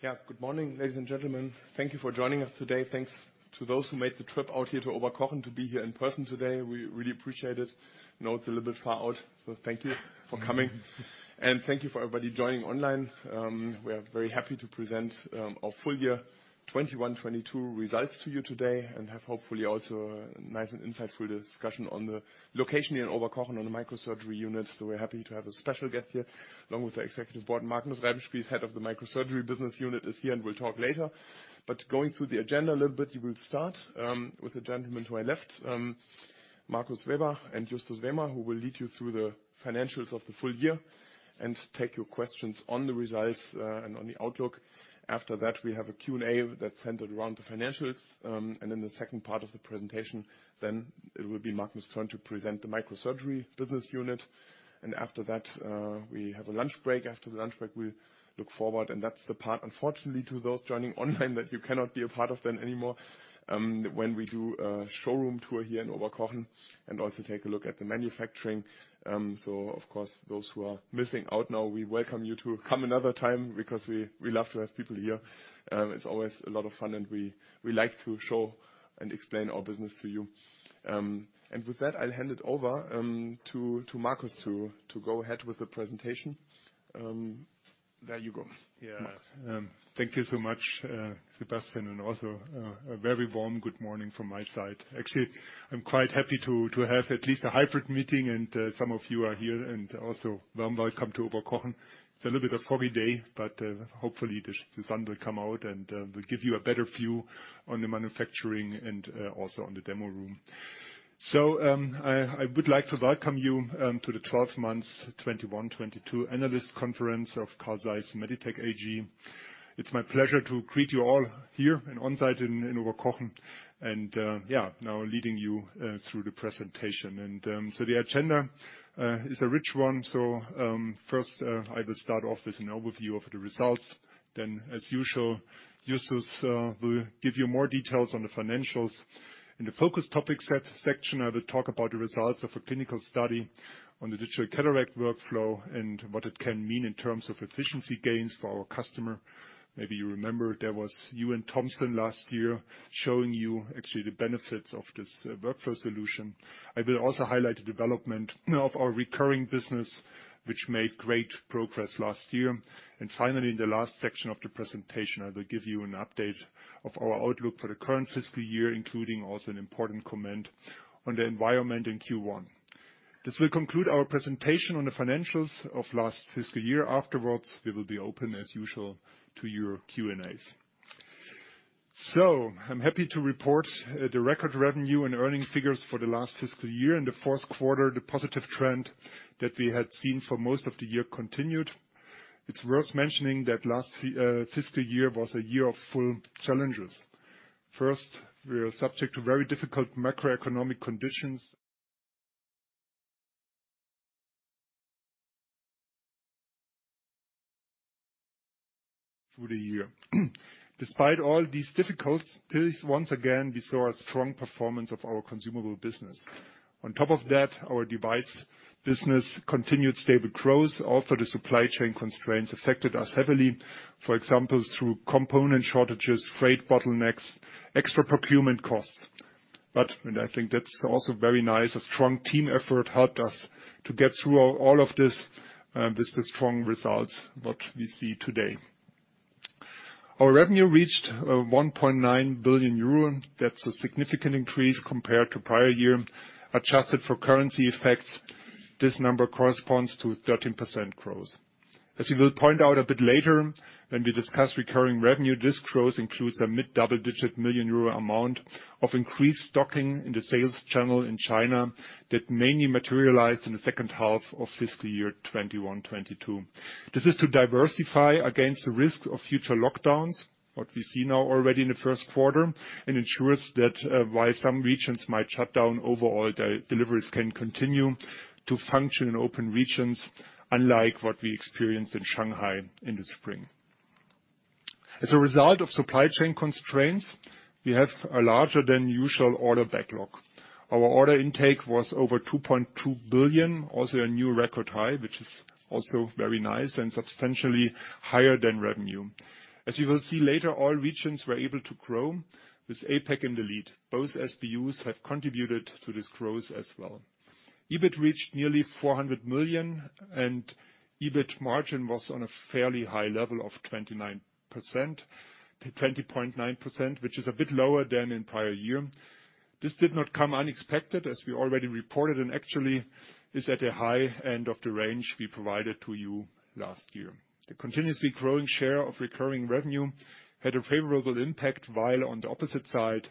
Good morning, ladies and gentlemen. Thank you for joining us today. Thanks to those who made the trip out here to Oberkochen to be here in person today. We really appreciate it. I know it's a little bit far out, so thank you for coming. Thank you for everybody joining online. We are very happy to present our full year 2021-2022 results to you today, and have, hopefully, also a nice and insightful discussion on the location here in Oberkochen on the microsurgery unit, so we're happy to have a special guest here, along with the executive board. Magnus Reibenspies, who's head of the microsurgery business unit, is here and will talk later. Going through the agenda a little bit, we'll start with the gentleman to my left, Markus Weber and Justus Wehmer, who will lead you through the financials of the full year and take your questions on the results and on the outlook. After that, we have a Q&A that's centered around the financials. In the second part of the presentation, then it will be Markus' turn to present the microsurgery business unit. After that, we have a lunch break. After the lunch break, we look forward, and that's the part, unfortunately to those joining online, that you cannot be a part of then anymore, when we do a showroom tour here in Oberkochen and also take a look at the manufacturing. Of course, those who are missing out now, we welcome you to come another time because we love to have people here. It's always a lot of fun, and we like to show and explain our business to you. With that, I'll hand it over to Markus to go ahead with the presentation. There you go. Yeah. Thank you so much, Sebastian, also a very warm good morning from my side. Actually, I'm quite happy to have at least a hybrid meeting, some of you are here, also warm welcome to Oberkochen. It's a little bit of foggy day, hopefully the sun will come out and will give you a better view on the manufacturing also on the demo room. I would like to welcome you to the 12 months 2021-2022 analyst conference of Carl Zeiss Meditec AG. It's my pleasure to greet you all here and on-site in Oberkochen, now leading you through the presentation. The agenda is a rich one. First, I will start off with an overview of the results. As usual, Justus will give you more details on the financials. In the focus topic section, I will talk about the results of a clinical study on the digital cataract workflow and what it can mean in terms of efficiency gains for our customer. Maybe you remember, there was Euan Thomson last year showing you actually the benefits of this workflow solution. I will also highlight the development of our recurring business, which made great progress last year. Finally, in the last section of the presentation, I will give you an update of our outlook for the current fiscal year, including also an important comment on the environment in Q1. This will conclude our presentation on the financials of last fiscal year. Afterwards, we will be open as usual to your Q&As. I'm happy to report the record revenue and earnings figures for the last fiscal year. In the fourth quarter, the positive trend that we had seen for most of the year continued. It's worth mentioning that last fiscal year was a year of full challenges. First, we were subject to very difficult macroeconomic conditions through the year. Despite all these difficulties, once again, we saw a strong performance of our consumable business. On top of that, our device business continued stable growth. Also, the supply chain constraints affected us heavily, for example, through component shortages, freight bottlenecks, extra procurement costs. And I think that's also very nice, a strong team effort helped us to get through all of this with the strong results what we see today. Our revenue reached 1.9 billion euro. That's a significant increase compared to prior year. Adjusted for currency effects, this number corresponds to 13% growth. As we will point out a bit later when we discuss recurring revenue, this growth includes a mid-double digit million euro amount of increased stocking in the sales channel in China that mainly materialized in the second half of fiscal year 2021-2022. This is to diversify against the risk of future lockdowns, what we see now already in the first quarter, and ensures that, while some regions might shut down, overall the deliveries can continue to function in open regions, unlike what we experienced in Shanghai in the spring. As a result of supply chain constraints, we have a larger than usual order backlog. Our order intake was over 2.2 billion, also a new record high, which is also very nice and substantially higher than revenue. As you will see later, all regions were able to grow, with APAC in the lead. Both SBUs have contributed to this growth as well. EBIT reached nearly 400 million, and EBIT margin was on a fairly high level of 29%, 20.9%, which is a bit lower than in prior year. This did not come unexpected, as we already reported, and actually is at the high end of the range we provided to you last year. The continuously growing share of recurring revenue had a favorable impact, while on the opposite side,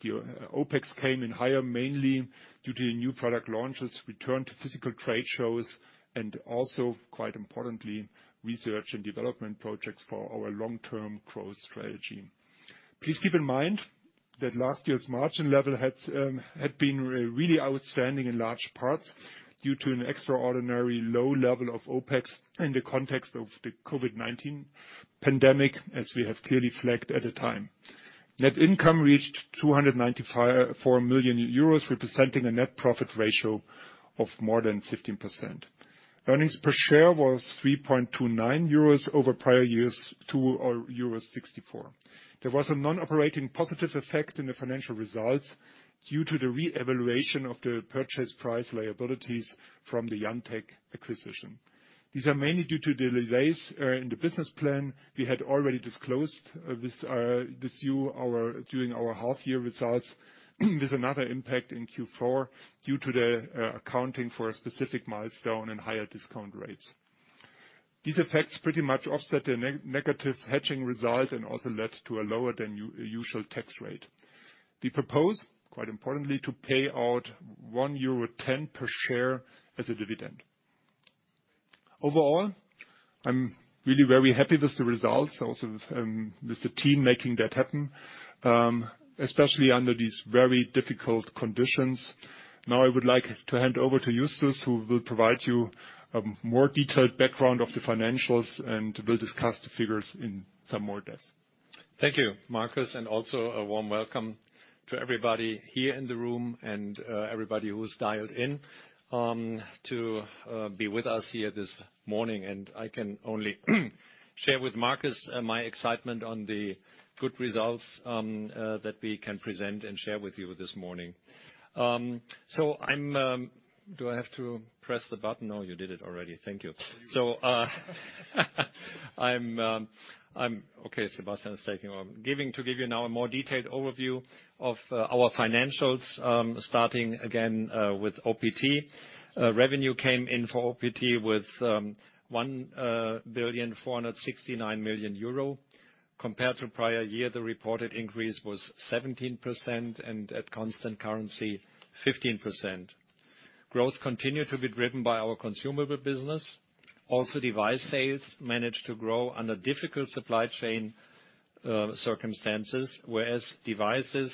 the OpEx came in higher, mainly due to the new product launches, return to physical trade shows, and also, quite importantly, research and development projects for our long-term growth strategy. Please keep in mind that last year's margin level had been really outstanding in large parts due to an extraordinary low level of OpEx in the context of the COVID-19 pandemic, as we have clearly flagged at the time. Net income reached 295.4 million euros, representing a net profit ratio of more than 15%. Earnings per share was 3.29 euros over prior years to, or euros 0.64. There was a non-operating positive effect in the financial results due to the re-evaluation of the purchase price liabilities from the IanTECH acquisition. These are mainly due to the delays in the business plan we had already disclosed with this year during our half-year results. There's another impact in Q4 due to the accounting for a specific milestone and higher discount rates. These effects pretty much offset the negative hedging result and also led to a lower than usual tax rate. We propose, quite importantly, to pay out 1.10 euro per share as a dividend. Overall, I'm really very happy with the results, also with the team making that happen, especially under these very difficult conditions. I would like to hand over to Justus, who will provide you a more detailed background of the financials and will discuss the figures in some more depth. Thank you, Markus, also a warm welcome to everybody here in the room and everybody who's dialed in to be with us here this morning. I can only share with Marcus my excitement on the good results that we can present and share with you this morning. Do I have to press the button? Oh, you did it already. Thank you. Okay, Sebastian is taking over. To give you now a more detailed overview of our financials, starting again with OPT. Revenue came in for OPT with 1,469 million euro. Compared to prior year, the reported increase was 17%, and at constant currency, 15%. Growth continued to be driven by our consumable business. Also, device sales managed to grow under difficult supply chain circumstances, whereas devices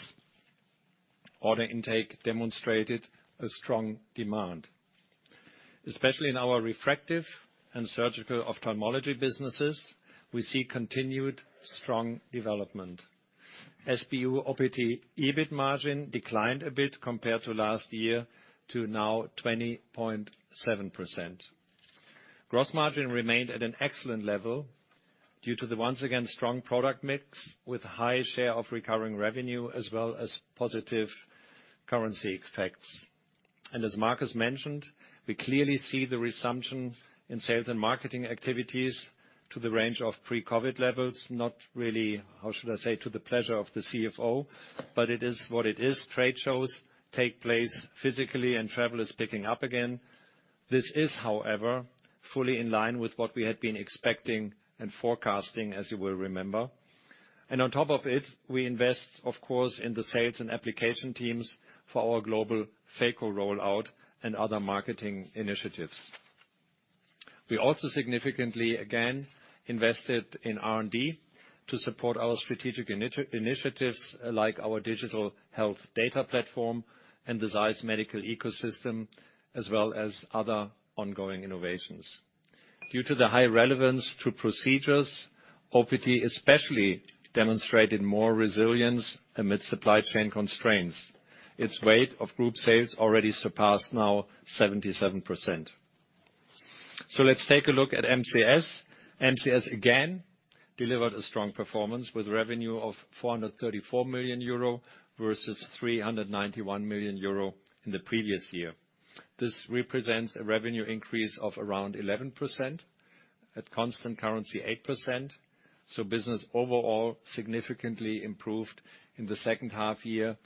order intake demonstrated a strong demand. Especially in our refractive and surgical ophthalmology businesses, we see continued strong development. SBU OPT EBIT margin declined a bit compared to last year to now 20.7%. Gross margin remained at an excellent level due to the, once again, strong product mix, with high share of recurring revenue as well as positive currency effects. As Marcus mentioned, we clearly see the resumption in sales and marketing activities to the range of pre-COVID levels. Not really, how should I say, to the pleasure of the CFO, but it is what it is. Trade shows take place physically, and travel is picking up again. This is, however, fully in line with what we had been expecting and forecasting, as you will remember. On top of it, we invest, of course, in the sales and application teams for our global phaco rollout and other marketing initiatives. We also significantly, again, invested in R&D to support our strategic initiatives, like our digital health data platform and the ZEISS Medical Ecosystem, as well as other ongoing innovations. Due to the high relevance to procedures, OPT especially demonstrated more resilience amid supply chain constraints. Its weight of group sales already surpassed now 77%. Let's take a look at MCS. MCS, again, delivered a strong performance, with revenue of 434 million euro, versus 391 million euro in the previous year. This represents a revenue increase of around 11%, at constant currency, 8%. Business overall significantly improved in the second half year.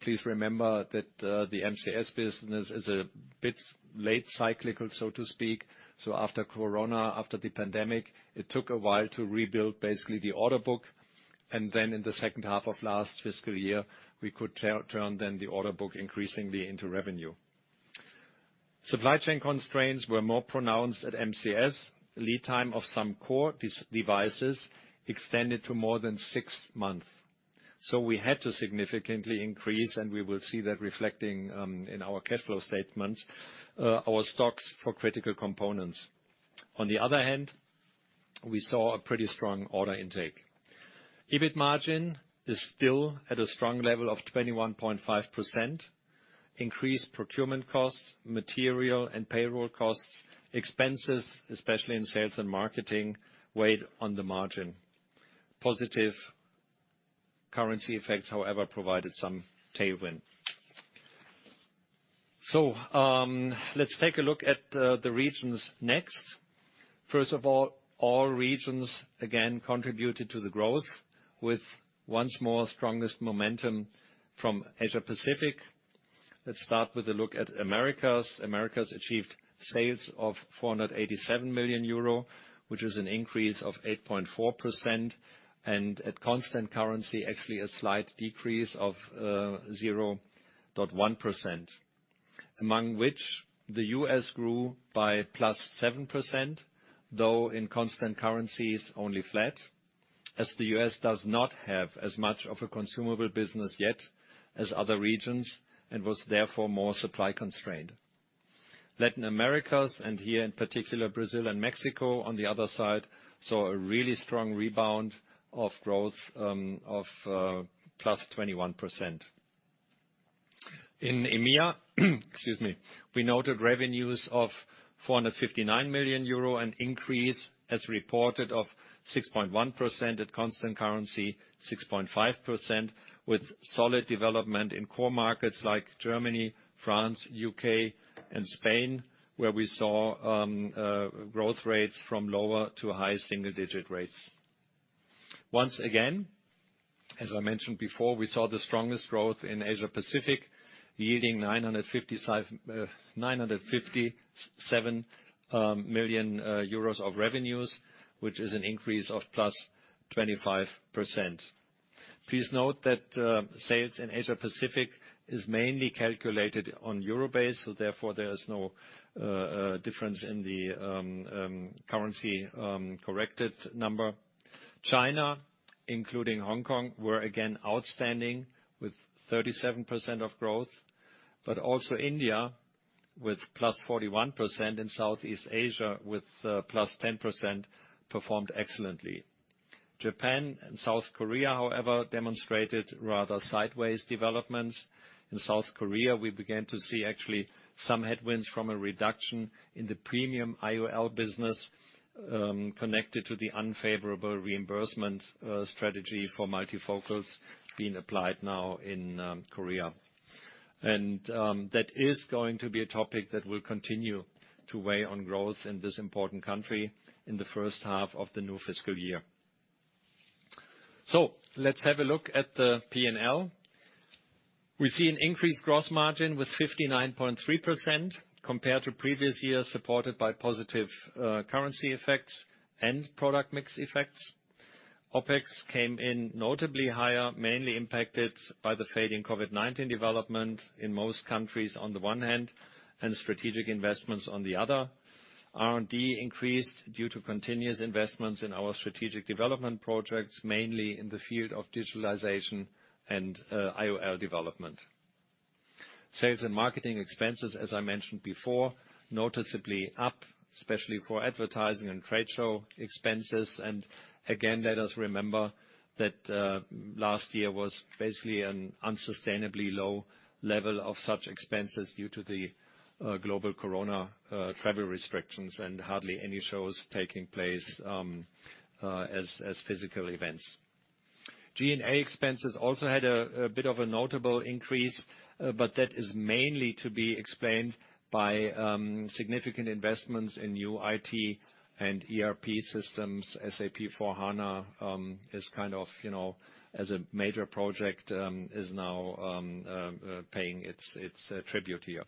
Please remember that, the MCS business is a bit late cyclical, so to speak. After corona, after the pandemic, it took a while to rebuild basically the order book, and then in the second half of last fiscal year, we could turn then the order book increasingly into revenue. Supply chain constraints were more pronounced at MCS. Lead time of some core devices extended to more than 6 months, we had to significantly increase, and we will see that reflecting in our cash flow statements, our stocks for critical components. On the other hand, we saw a pretty strong order intake. EBIT margin is still at a strong level of 21.5%. Increased procurement costs, material and payroll costs, expenses, especially in sales and marketing, weighed on the margin. Positive currency effects, however, provided some tailwind. Let's take a look at the regions next. First of all regions, again, contributed to the growth, with once more strongest momentum from Asia-Pacific. Let's start with a look at Americas. Americas achieved sales of 487 million euro, which is an increase of 8.4%, and at constant currency, actually a slight decrease of 0.1%. Among which the U.S. grew by +7%, though in constant currencies, only flat, as the U.S. does not have as much of a consumable business yet as other regions and was therefore more supply-constrained. Latin Americas, and here in particular Brazil and Mexico, on the other side, saw a really strong rebound of growth of +21%. In EMEA, excuse me, we noted revenues of 459 million euro, an increase as reported of 6.1%, at constant currency 6.5%, with solid development in core markets like Germany, France, UK, and Spain, where we saw growth rates from lower to high single-digit rates. Once again, as I mentioned before, we saw the strongest growth in Asia Pacific, yielding 957 million euros of revenues, which is an increase of +25%. Please note that sales in Asia Pacific is mainly calculated on euro-based, therefore, there is no difference in the currency corrected number. China, including Hong Kong, were again outstanding with 37% of growth. India, with +41%, and Southeast Asia with +10%, performed excellently. Japan and South Korea, however, demonstrated rather sideways developments. In South Korea, we began to see actually some headwinds from a reduction in the premium IOL business connected to the unfavorable reimbursement strategy for multifocals being applied now in Korea. That is going to be a topic that will continue to weigh on growth in this important country in the first half of the new fiscal year. Let's have a look at the P&L. We see an increased gross margin with 59.3% compared to previous years, supported by positive currency effects and product mix effects. OpEx came in notably higher, mainly impacted by the fading COVID-19 development in most countries on the one hand, and strategic investments on the other. R&D increased due to continuous investments in our strategic development projects, mainly in the field of digitalization and IOL development. Sales and marketing expenses, as I mentioned before, noticeably up, especially for advertising and trade show expenses. Again, let us remember that last year was basically an unsustainably low level of such expenses due to the global corona travel restrictions and hardly any shows taking place as physical events. G&A expenses also had a bit of a notable increase, but that is mainly to be explained by significant investments in new IT and ERP systems. SAP S/4HANA is kind of, you know, as a major project, is now paying its tribute here.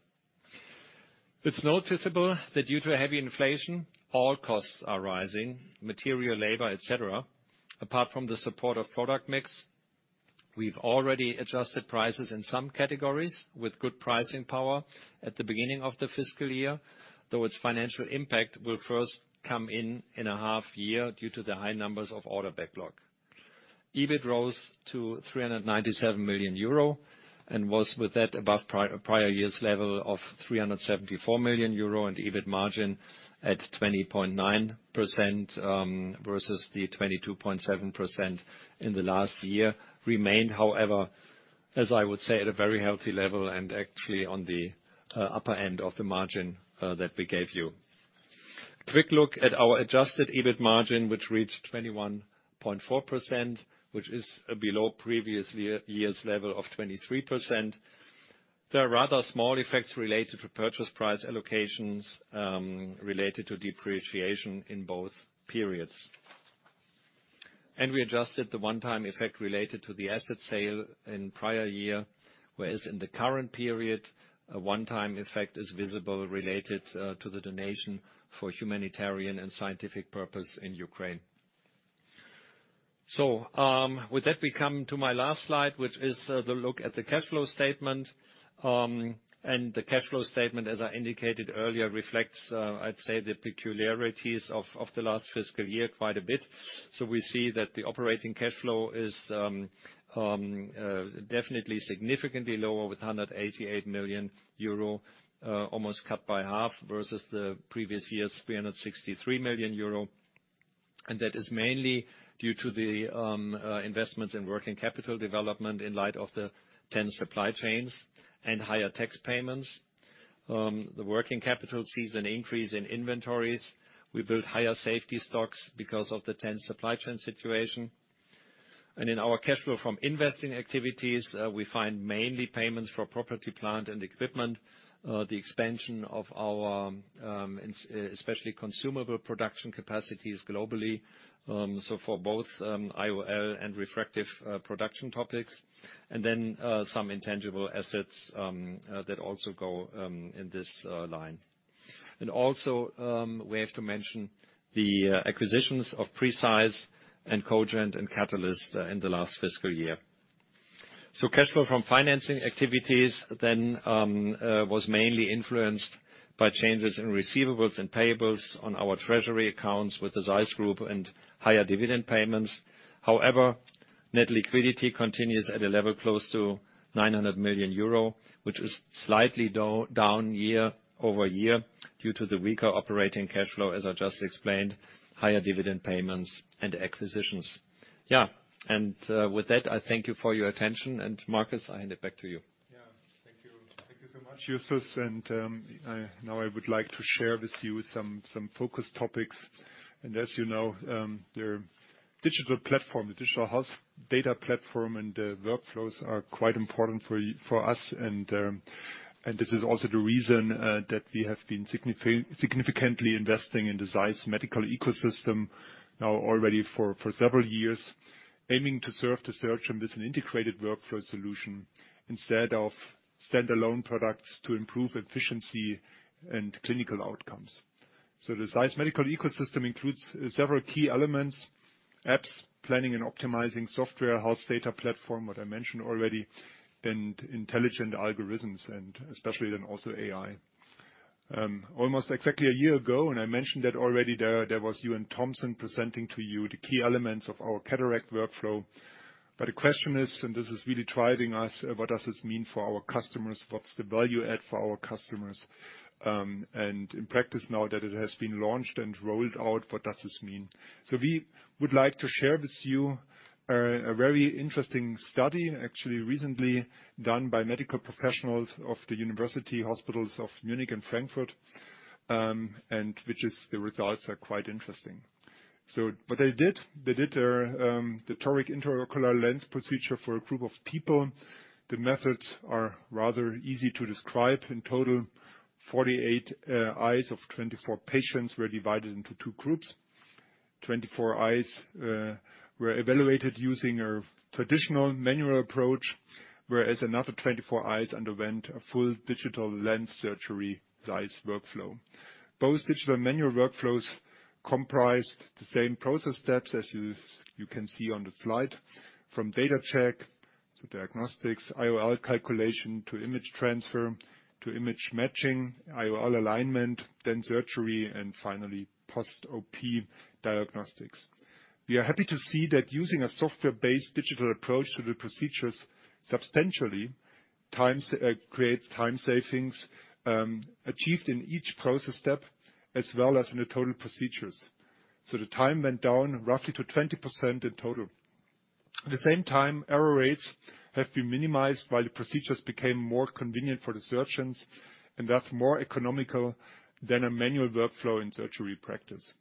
It's noticeable that due to heavy inflation, all costs are rising, material, labor, et cetera. Apart from the support of product mix, we've already adjusted prices in some categories with good pricing power at the beginning of the fiscal year, though its financial impact will first come in in a half year due to the high numbers of order backlog. EBIT rose to 397 million euro and was, with that, above prior year's level of 374 million euro, and EBIT margin at 20.9% versus the 22.7% in the last year, remained, however, as I would say, at a very healthy level and actually on the upper end of the margin that we gave you. Quick look at our Adjusted EBIT margin, which reached 21.4%, which is below previous year's level of 23%. There are rather small effects related to purchase price allocations, related to depreciation in both periods. We adjusted the one-time effect related to the asset sale in prior year, whereas in the current period, a one-time effect is visible related to the donation for humanitarian and scientific purpose in Ukraine. With that, we come to my last slide, which is the look at the cash flow statement. The cash flow statement, as I indicated earlier, reflects, I'd say, the peculiarities of the last fiscal year quite a bit. We see that the operating cash flow is definitely significantly lower with 188 million euro, almost cut by half versus the previous year's 363 million euro. That is mainly due to the investments in working capital development in light of the tense supply chains and higher tax payments. The working capital sees an increase in inventories. We build higher safety stocks because of the tense supply chain situation. In our cash flow from investing activities, we find mainly payments for property, plant, and equipment, the expansion of our especially consumable production capacities globally, so for both IOL and refractive production topics, and then some intangible assets that also go in this line. Also, we have to mention the acquisitions of Preceyes and Kogent and Katalyst in the last fiscal year. Cash flow from financing activities was mainly influenced by changes in receivables and payables on our treasury accounts with the ZEISS Group and higher dividend payments. However, net liquidity continues at a level close to 900 million euro, which is slightly down year-over-year due to the weaker operating cash flow, as I just explained, higher dividend payments and acquisitions. With that, I thank you for your attention, and Markus, I hand it back to you. Yeah. Thank you. Thank you so much, Justus. Now I would like to share with you some focus topics. As you know, their digital platform, the digital health data platform and workflows are quite important for us and this is also the reason that we have been significantly investing in the ZEISS Medical Ecosystem now already for several years, aiming to serve the surgeon with an integrated workflow solution instead of standalone products to improve efficiency and clinical outcomes. The ZEISS Medical Ecosystem includes several key elements, apps, planning and optimizing software, health data platform, what I mentioned already, and intelligent algorithms, and especially then also AI. Almost exactly a year ago, and I mentioned that already, there was Euan Thomson presenting to you the key elements of our cataract workflow. The question is, and this is really driving us, what does this mean for our customers? What's the value add for our customers? In practice now that it has been launched and rolled out, what does this mean? We would like to share with you a very interesting study, actually recently done by medical professionals of the university hospitals of Munich and Frankfurt, the results are quite interesting. What they did, they did the toric intraocular lens procedure for a group of people. The methods are rather easy to describe. In total, 48 eyes of 24 patients were divided into two groups. 24 eyes were evaluated using a traditional manual approach, whereas another 24 eyes underwent a full digital lens surgery ZEISS workflow. Both digital and manual workflows comprised the same process steps, as you can see on the slide, from data check to diagnostics, IOL calculation, to image transfer, to image matching, IOL alignment, then surgery, and finally post-OP diagnostics. We are happy to see that using a software-based digital approach to the procedures substantially creates time savings achieved in each process step as well as in the total procedures. The time went down roughly to 20% in total. At the same time, error rates have been minimized while the procedures became more convenient for the surgeons and thus more economical than a manual workflow in surgery practice.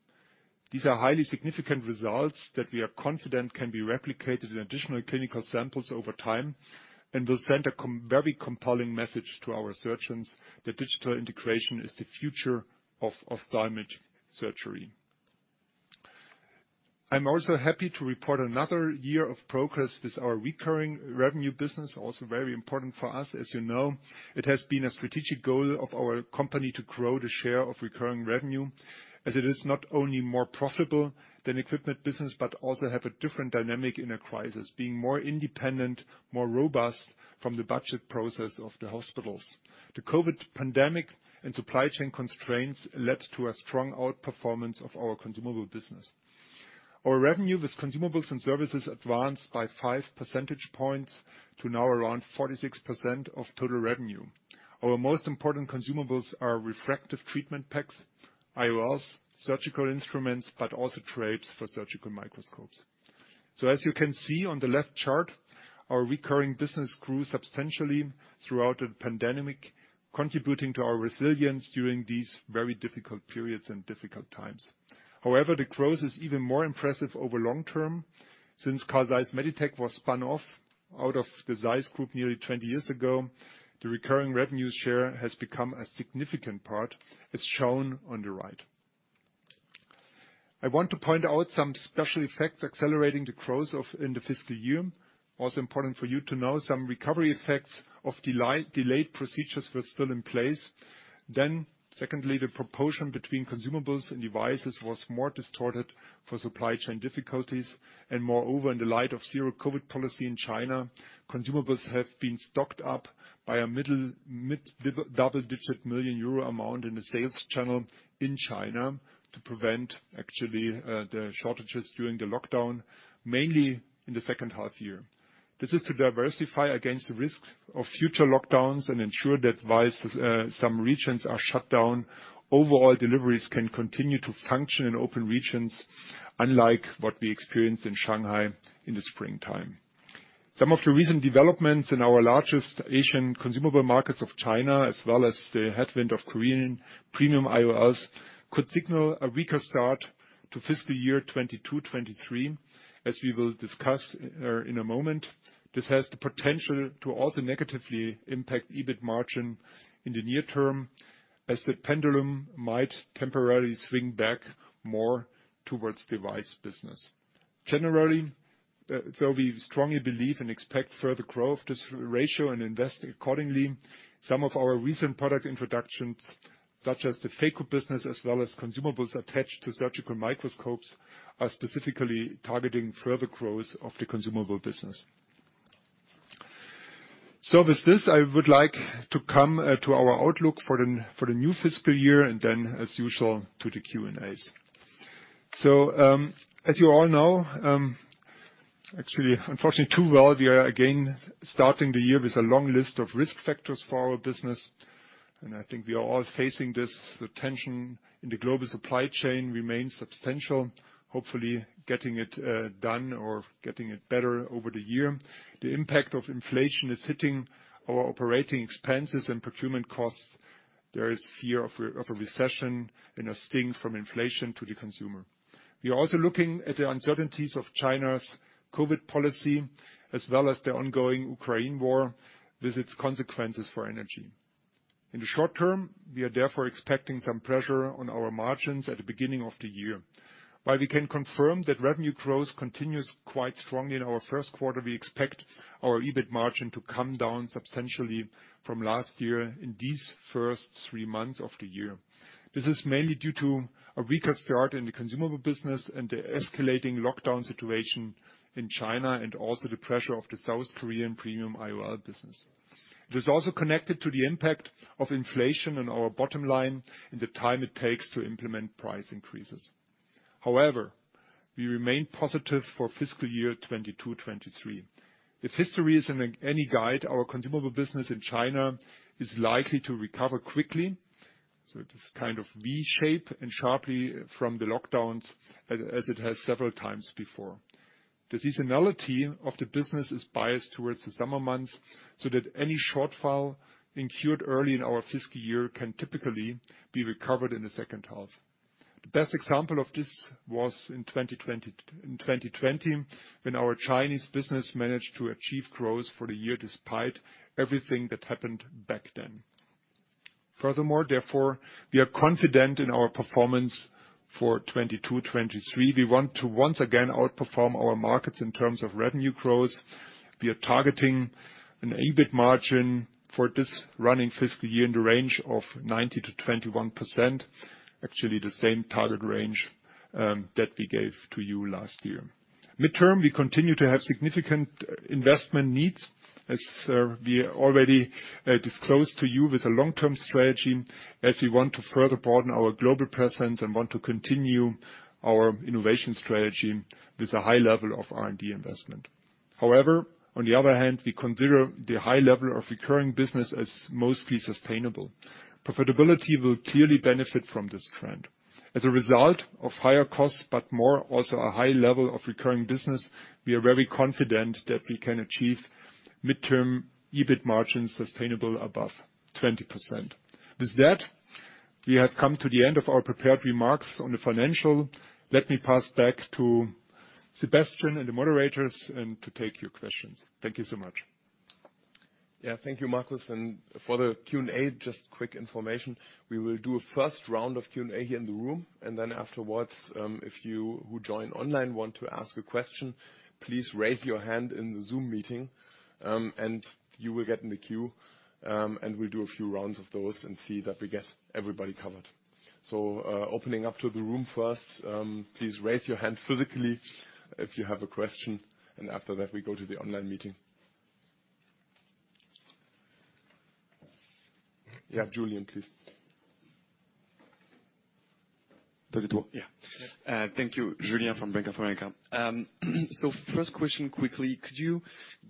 These are highly significant results that we are confident can be replicated in additional clinical samples over time and will send a very compelling message to our surgeons that digital integration is the future of the image surgery. I'm also happy to report another year of progress with our recurring revenue business, also very important for us. As you know, it has been a strategic goal of our company to grow the share of recurring revenue as it is not only more profitable than equipment business, but also have a different dynamic in a crisis, being more independent, more robust from the budget process of the hospitals. The COVID pandemic and supply chain constraints led to a strong outperformance of our consumable business. Our revenue with consumables and services advanced by 5 percentage points to now around 46% of total revenue. Our most important consumables are refractive treatment packs, IOLs, surgical instruments, also SMARTDRAPE for surgical microscopes. As you can see on the left chart, our recurring business grew substantially throughout the pandemic, contributing to our resilience during these very difficult periods and difficult times. The growth is even more impressive over long term. Since Carl Zeiss Meditec was spun off out of the ZEISS Group nearly 20 years ago, the recurring revenue share has become a significant part, as shown on the right. I want to point out some special effects accelerating the growth of in the fiscal year. Important for you to know, some recovery effects of delayed procedures were still in place. Secondly, the proportion between consumables and devices was more distorted for supply chain difficulties. Moreover, in the light of zero-COVID policy in China, consumables have been stocked up by a mid double-digit million EUR amount in the sales channel in China to prevent actually the shortages during the lockdown, mainly in the second half year. This is to diversify against the risks of future lockdowns and ensure that devices, some regions are shut down. Overall deliveries can continue to function in open regions, unlike what we experienced in Shanghai in the springtime. Some of the recent developments in our largest Asian consumable markets of China, as well as the headwind of Korean premium IOLs, could signal a weaker start to fiscal year 2022-2023, as we will discuss in a moment. This has the potential to also negatively impact EBIT margin in the near term as the pendulum might temporarily swing back more towards device business. Generally, though we strongly believe and expect further growth, this ratio and invest accordingly, some of our recent product introductions, such as the phaco business as well as consumables attached to surgical microscopes, are specifically targeting further growth of the consumable business. With this, I would like to come to our outlook for the new fiscal year, and then as usual, to the Q&As. As you all know, unfortunately too well, we are again starting the year with a long list of risk factors for our business, and I think we are all facing this. The tension in the global supply chain remains substantial. Hopefully getting it done or getting it better over the year. The impact of inflation is hitting our operating expenses and procurement costs. There is fear of a recession and a sting from inflation to the consumer. We are also looking at the uncertainties of China's COVID-19 policy, as well as the ongoing Ukraine war with its consequences for energy. In the short term, we are therefore expecting some pressure on our margins at the beginning of the year. While we can confirm that revenue growth continues quite strongly in our first quarter, we expect our EBIT margin to come down substantially from last year in these first three months of the year. This is mainly due to a weaker start in the consumable business and the escalating lockdown situation in China, and also the pressure of the South Korean premium IOL business. It is also connected to the impact of inflation on our bottom line and the time it takes to implement price increases. However, we remain positive for fiscal year 2022/2023. If history is any guide, our consumable business in China is likely to recover quickly, so this kind of V-shape, and sharply from the lockdowns as it has several times before. The seasonality of the business is biased towards the summer months, so that any shortfall incurred early in our fiscal year can typically be recovered in the second half. The best example of this was in 2020 when our Chinese business managed to achieve growth for the year despite everything that happened back then. We are confident in our performance for 2022/2023. We want to once again outperform our markets in terms of revenue growth. We are targeting an EBIT margin for this running fiscal year in the range of 19%-21%. Actually, the same target range that we gave to you last year. Midterm, we continue to have significant investment needs as we already disclosed to you with a long-term strategy, as we want to further broaden our global presence and want to continue our innovation strategy with a high level of R&D investment. However, on the other hand, we consider the high level of recurring business as mostly sustainable. Profitability will clearly benefit from this trend. As a result of higher costs, but more also a high level of recurring business, we are very confident that we can achieve midterm EBIT margins sustainable above 20%. With that, we have come to the end of our prepared remarks on the financial. Let me pass back to Sebastian and the moderators and to take your questions. Thank you so much. Yeah. Thank you, Markus. For the Q&A, just quick information. We will do a first round of Q&A here in the room, and then afterwards, if you who join online want to ask a question, please raise your hand in the Zoom meeting, and you will get in the queue. We'll do a few rounds of those and see that we get everybody covered. Opening up to the room first, please raise your hand physically if you have a question, and after that, we go to the online meeting. Yeah, Julien, please. Does it work? Yeah. Thank you. Julien from Bank of America. First question quickly: Could you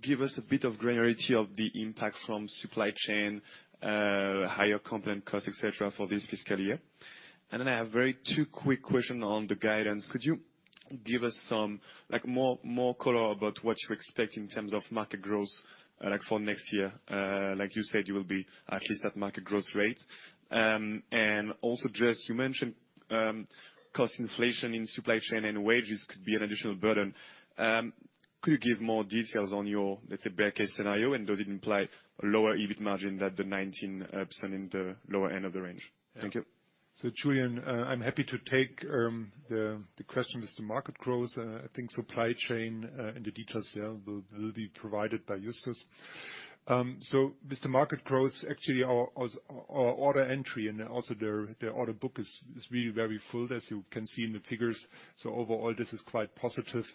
give us a bit of granularity of the impact from supply chain, higher component costs, et cetera, for this fiscal year? I have very two quick questions on the guidance. Could you give us some, like, more color about what you expect in terms of market growth, like for next year? Like you said, you will be at least at market growth rate. You mentioned cost inflation in supply chain and wages could be an additional burden. Could you give more details on your, let's say, bear case scenario, and does it imply a lower EBIT margin than the 19% in the lower end of the range? Thank you. Julien, I'm happy to take the question with the market growth. I think supply chain and the details there will be provided by Justus. With the market growth, actually our order entry and also their, the order book is really very full, as you can see in the figures. Overall, this is quite positive.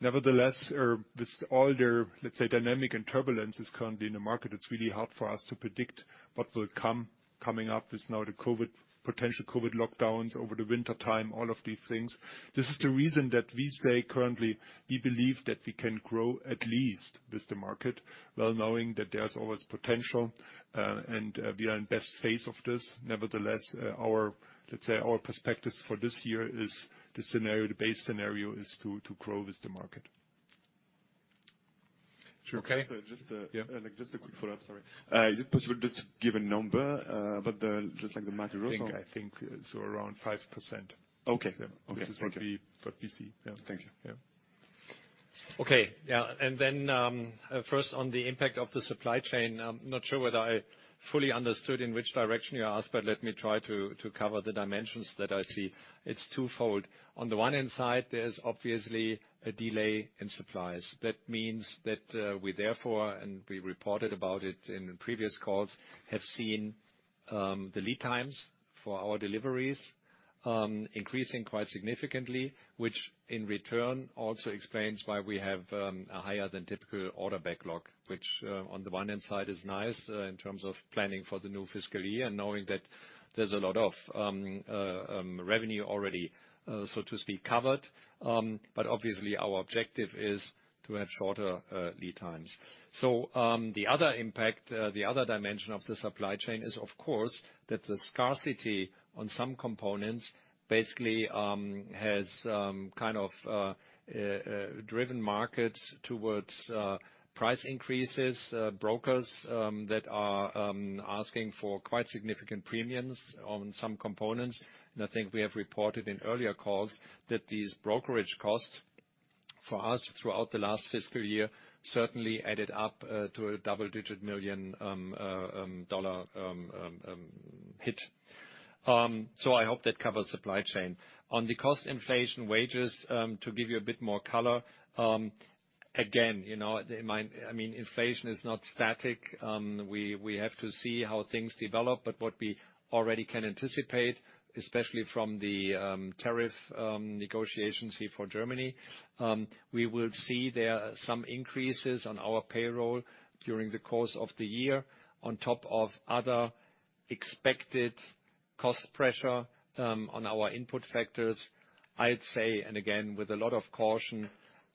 Nevertheless, this order, let's say, dynamic and turbulence is currently in the market. It's really hard for us to predict what will come. Coming up is now the COVID, potential COVID lockdowns over the wintertime, all of these things. This is the reason that we say currently we believe that we can grow at least with the market, well knowing that there's always potential and we are in best phase of this. Our, let's say our prospectus for this year is the scenario, the base scenario is to grow with the market. Okay. Just. Yeah. Just a quick follow-up. Sorry. Is it possible just to give a number about the, just like the market growth or? I think so around 5%. Okay. Yeah. Okay. This is going to be what we see. Yeah. Thank you. Yeah. Okay. Yeah. First on the impact of the supply chain, I'm not sure whether I fully understood in which direction you asked. Let me try to cover the dimensions that I see. It's twofold. On the one hand side, there's obviously a delay in supplies. That means that we therefore, and we reported about it in previous calls, have seen the lead times for our deliveries Increasing quite significantly, which in return also explains why we have a higher than typical order backlog. Which on the one hand is nice in terms of planning for the new fiscal year and knowing that there's a lot of revenue already, so to speak, covered. Obviously our objective is to have shorter lead times. The other impact, the other dimension of the supply chain is, of course, that the scarcity on some components basically has kind of driven markets towards price increases. Brokers that are asking for quite significant premiums on some components. I think we have reported in earlier calls that these brokerage costs for us throughout the last fiscal year certainly added up to a double-digit million dollar hit. I hope that covers supply chain. On the cost inflation wages, to give you a bit more color, again, you know, in mind, I mean, inflation is not static. We have to see how things develop. What we already can anticipate, especially from the tariff negotiations here for Germany, we will see there are some increases on our payroll during the course of the year on top of other expected cost pressure on our input factors. I'd say, again, with a lot of caution,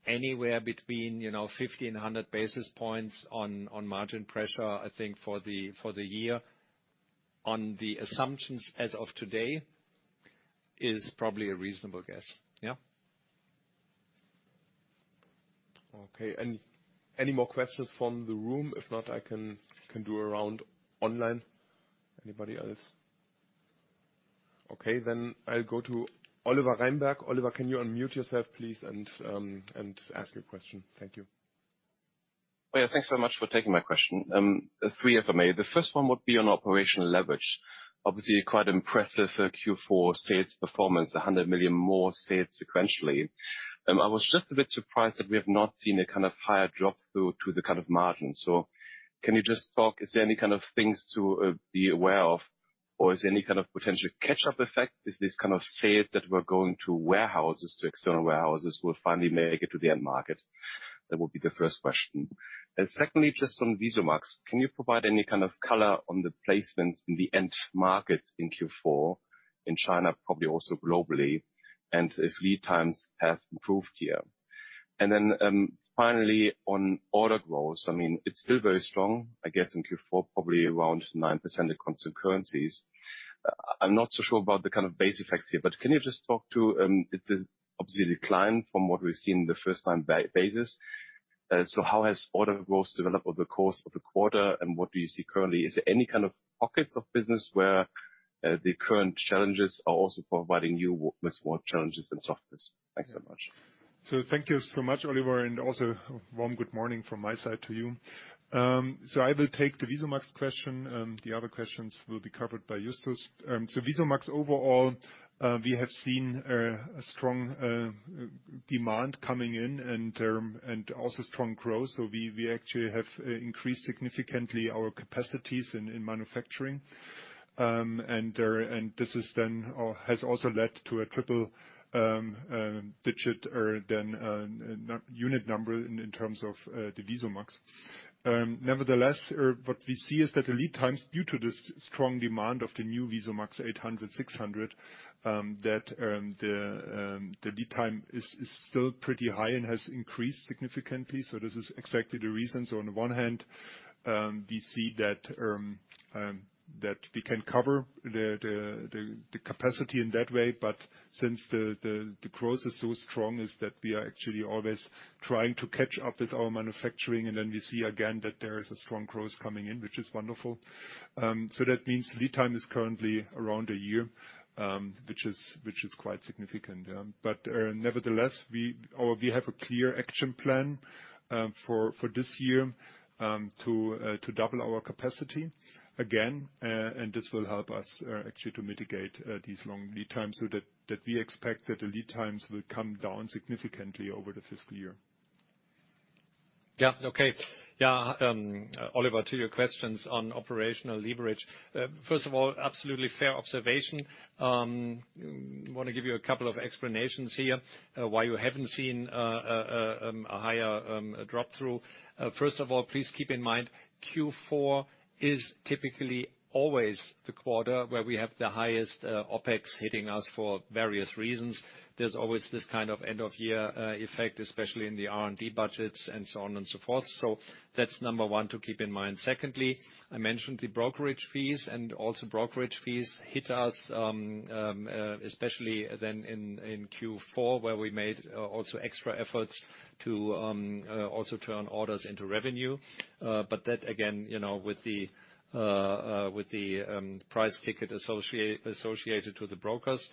anywhere between, you know, 1,500 basis points on margin pressure, I think for the year, on the assumptions as of today, is probably a reasonable guess. Yeah. Okay. Any more questions from the room? If not, I can do a round online. Anybody else? Okay. Then I'll go to Oliver Reinberg. Oliver, can you unmute yourself, please, and ask your question? Thank you. Yeah. Thanks so much for taking my question. Three if I may. The first one would be on operational leverage. Obviously quite impressive for Q4 sales performance, 100 million more sales sequentially. I was just a bit surprised that we have not seen a kind of higher drop through to the kind of margins. Can you just talk, is there any kind of things to be aware of, or is there any kind of potential catch-up effect if this kind of sale that we're going to warehouses, to external warehouses, will finally make it to the end market? That would be the first question. Secondly, just on VisuMax, can you provide any kind of color on the placement in the end market in Q4 in China, probably also globally, and if lead times have improved here? Finally, on order growth, I mean, it's still very strong, I guess, in Q4, probably around 9% in constant currencies. I'm not so sure about the kind of base effects here, but can you just talk to, it is obviously declined from what we've seen the first time basis. How has order growth developed over the course of the quarter, and what do you see currently? Is there any kind of pockets of business where the current challenges are also providing you with more challenges and softness? Thanks so much. Thank you so much, Oliver, and also warm good morning from my side to you. I will take the VisuMax question, and the other questions will be covered by Justus. VisuMax overall, we have seen a strong demand coming in and also strong growth. We actually have increased significantly our capacities in manufacturing. And this has then, or has also led to a triple digit or then unit number in terms of the VisuMax. Nevertheless, what we see is that the lead times, due to the strong demand of the new VisuMax 800, 600, that the lead time is still pretty high and has increased significantly. This is exactly the reason. On the one hand, we see that we can cover the capacity in that way, but since the growth is so strong, is that we are actually always trying to catch up with our manufacturing and then we see again that there is a strong growth coming in, which is wonderful. That means lead time is currently around a year, which is quite significant. Nevertheless, we, or we have a clear action plan for this year to double our capacity again, and this will help us actually to mitigate these long lead times, so that we expect that the lead times will come down significantly over the fiscal year. Okay. Oliver, to your questions on operational leverage. First of all, absolutely fair observation. Wanna give you a couple of explanations here why you haven't seen a higher drop-through. First of all, please keep in mind, Q4 is typically always the quarter where we have the highest OpEx hitting us for various reasons. There's always this kind of end of year effect, especially in the R&D budgets and so on and so forth. That's number one to keep in mind. Secondly, I mentioned the brokerage fees and also brokerage fees hit us especially then in Q4, where we made extra efforts to also turn orders into revenue. That again, you know, with the price ticket associated to the brokers.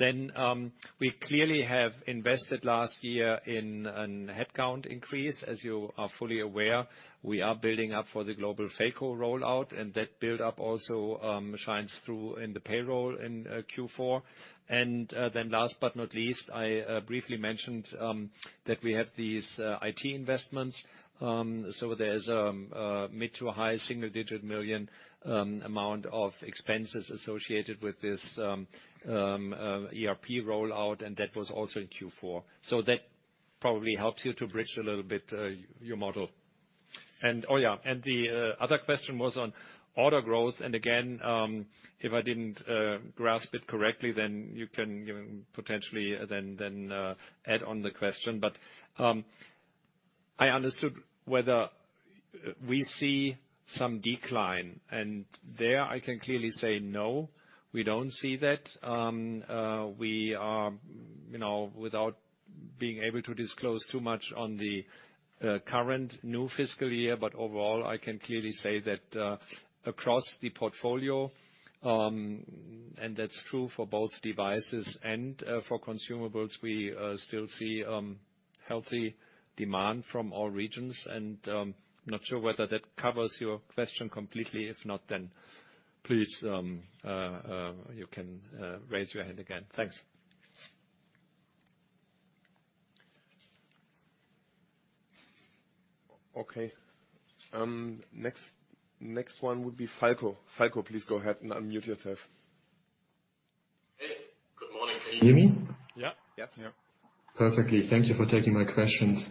We clearly have invested last year in a headcount increase. As you are fully aware, we are building up for the global phaco rollout, and that buildup also shines through in the payroll in Q4. Last but not least, I briefly mentioned that we have these IT investments. There's a mid to high single digit million amount of expenses associated with this ERP rollout, and that was also in Q4. That probably helps you to bridge a little bit your model. Oh, yeah, and the other question was on order growth. Again, if I didn't grasp it correctly, then you can give potentially add on the question. I understood whether we see some decline, and there, I can clearly say, no, we don't see that. We are, you know, without being able to disclose too much on the current new fiscal year, but overall, I can clearly say that across the portfolio, and that's true for both devices and for consumables, we still see healthy demand from all regions. I'm not sure whether that covers your question completely. If not, then please, you can raise your hand again. Thanks. Okay. Next one would be Falko. Falko, please go ahead and unmute yourself. Hey, good morning. Can you hear me? Can you hear me? Yeah. Yes. Yeah. Perfectly. Thank you for taking my questions.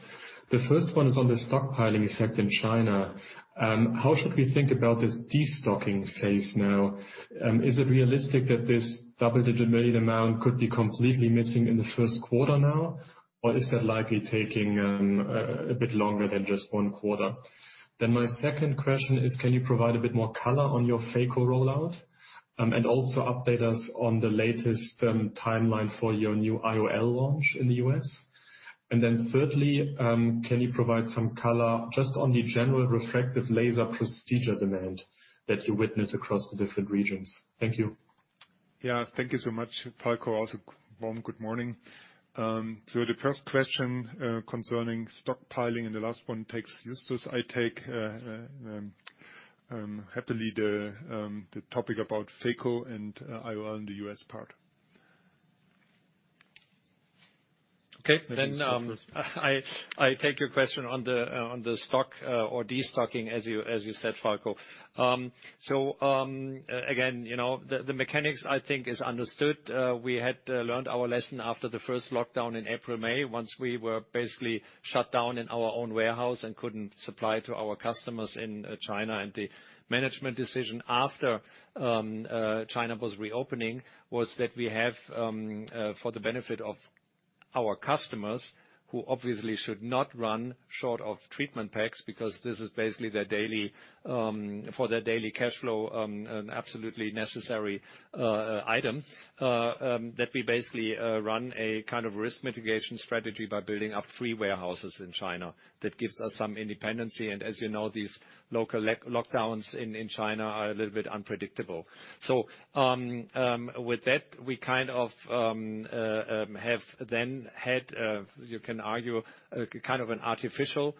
The first one is on the stockpiling effect in China. How should we think about this destocking phase now? Is it realistic that this double-digit million amount could be completely missing in the first quarter now, or is that likely taking a bit longer than just one quarter? My second question is, can you provide a bit more color on your phaco rollout, and also update us on the latest timeline for your new IOL launch in the U.S.? Thirdly, can you provide some color just on the general refractive laser procedure demand that you witness across the different regions? Thank you. Yeah. Thank you so much, Falko. Also, warm good morning. The first question concerning stockpiling and the last one takes Justus, I take happily the topic about phaco and IOL in the US part. I take your question on the stock or destocking, as you said, Falko. Again, you know, the mechanics, I think, is understood. We had learned our lesson after the first lockdown in April, May, once we were basically shut down in our own warehouse and couldn't supply to our customers in China. The management decision after China was reopening was that we have for the benefit of our customers, who obviously should not run short of treatment packs because this is basically their daily, for their daily cash flow, an absolutely necessary item, that we basically run a kind of risk mitigation strategy by building up three warehouses in China. That gives us some independency. As you know, these local lockdowns in China are a little bit unpredictable. With that, we kind of have then had, you can argue, kind of an artificial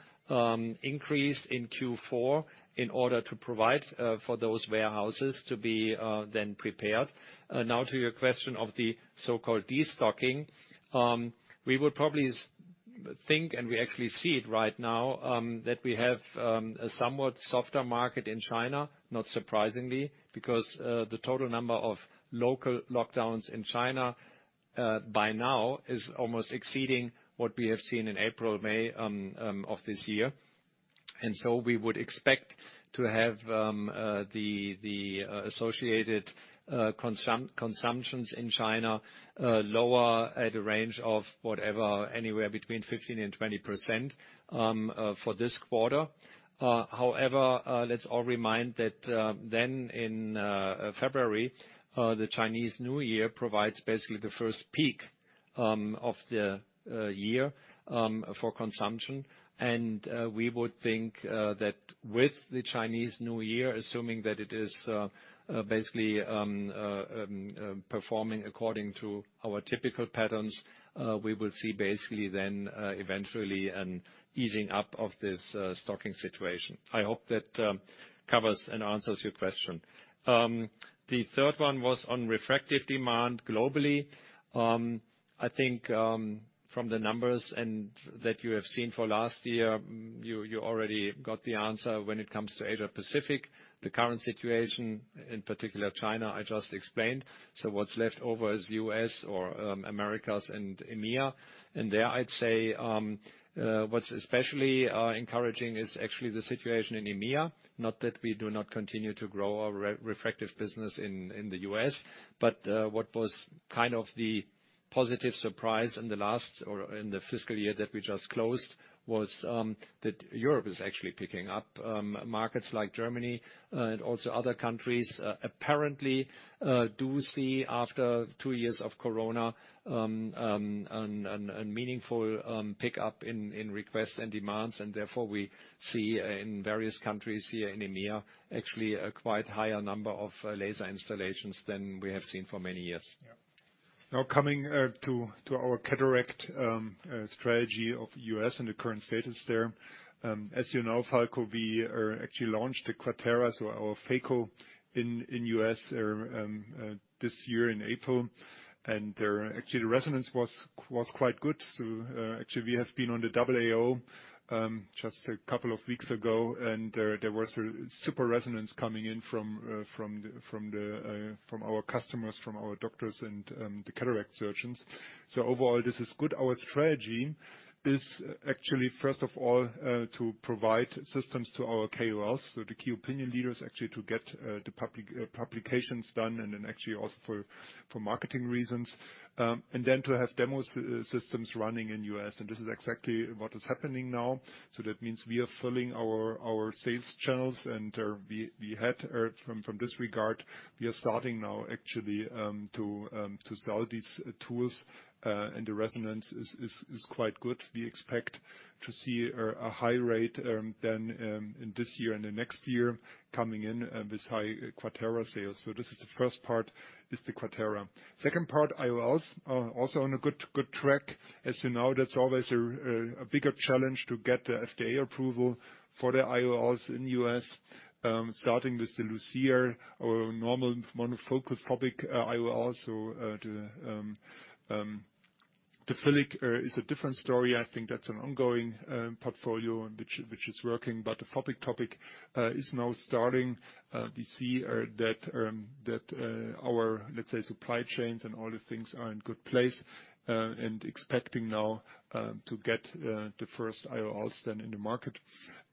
increase in Q4 in order to provide for those warehouses to be then prepared. Now to your question of the so-called destocking, we would probably think, and we actually see it right now, that we have a somewhat softer market in China, not surprisingly, because the total number of local lockdowns in China by now is almost exceeding what we have seen in April, May of this year. We would expect to have the associated consumptions in China lower at a range of whatever, anywhere between 15% and 20% for this quarter. However, let's all remind that then in February, the Chinese New Year provides basically the first peak of the year for consumption. We would think that with the Chinese New Year, assuming that it is basically performing according to our typical patterns, we will see basically then eventually an easing up of this stocking situation. I hope that covers and answers your question. The third one was on refractive demand globally. I think from the numbers and that you have seen for last year, you already got the answer when it comes to Asia-Pacific. The current situation, in particular China, I just explained. What's left over is US or Americas and EMEA. There I'd say what's especially encouraging is actually the situation in EMEA, not that we do not continue to grow our re-refractive business in the US. What was kind of the positive surprise in the last or in the fiscal year that we just closed was that Europe is actually picking up. Markets like Germany and also other countries apparently do see after 2 years of COVID-19 a meaningful pickup in requests and demands. Therefore, we see in various countries here in EMEA, actually a quite higher number of laser installations than we have seen for many years. Now coming to our cataract strategy of U.S. and the current status there. As you know, Falko, we are actually launched the QUATERA, so our phaco in U.S. this year in April. There actually the resonance was quite good. We have been on the AAO just a couple of weeks ago, and there was a super resonance coming in from the from our customers, from our doctors and the cataract surgeons. Overall, this is good. Our strategy is actually, first of all, to provide systems to our KOLs, so the key opinion leaders, actually to get the publications done and then actually also for marketing reasons. Then to have demo systems running in U.S., and this is exactly what is happening now. That means we are filling our sales channels and we had from this regard, we are starting now actually to sell these tools, and the resonance is quite good. We expect to see a high rate in this year and the next year coming in with high QUATERA sales. This is the first part, is the QUATERA. Second part, IOLs are also on a good track. As you know, that's always a bigger challenge to get the FDA approval for the IOLs in the U.S., starting with the LUCIA or normal monofocal hydrophobic IOLs. The hydrophilic is a different story. I think that's an ongoing portfolio which is working. The hydrophobic topic is now starting. We see that our, let's say, supply chains and all the things are in good place, expecting now to get the first IOLs then in the market.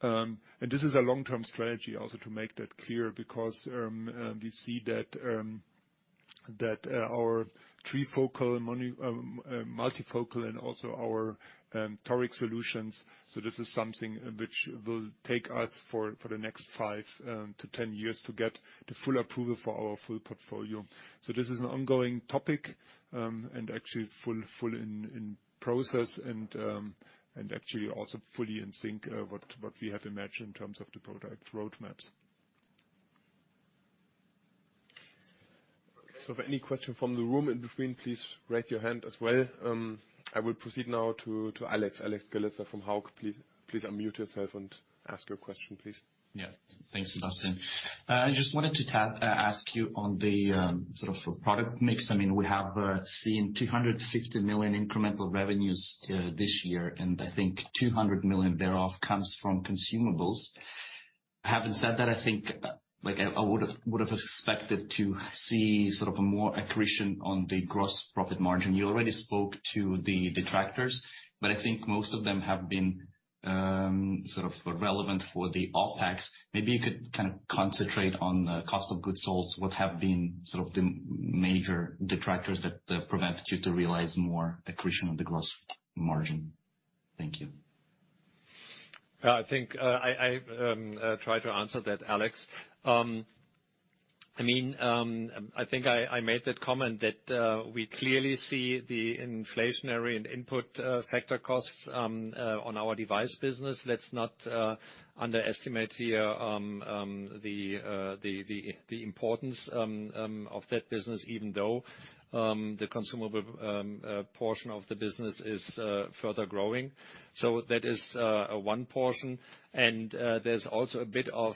This is a long-term strategy also to make that clear, because we see that our trifocal and multifocal and also our toric solutions. This is something which will take us for the next five to 10 years to get the full approval for our full portfolio. This is an ongoing topic, actually full in process and actually also fully in sync what we have imagined in terms of the product roadmaps. If any question from the room in between, please raise your hand as well. I will proceed now to Alex. Alex Halitsa from Hauck. Please unmute yourself and ask your question, please. Thanks, Sebastian. I just wanted to ask you on the sort of product mix. We have seen 250 million incremental revenues this year, and I think 200 million thereof comes from consumables. Having said that, I think, like, I would've expected to see sort of a more accretion on the gross profit margin. You already spoke to the detractors, but I think most of them have been sort of relevant for the OpEx. You could kind of concentrate on the cost of goods sold, what have been sort of the major detractors that prevented you to realize more accretion of the gross margin. Thank you. I think I try to answer that, Alex. I mean, I think I made that comment that we clearly see the inflationary and input factor costs on our device business. Let's not underestimate here the importance of that business even though the consumable portion of the business is further growing. That is one portion. There's also a bit of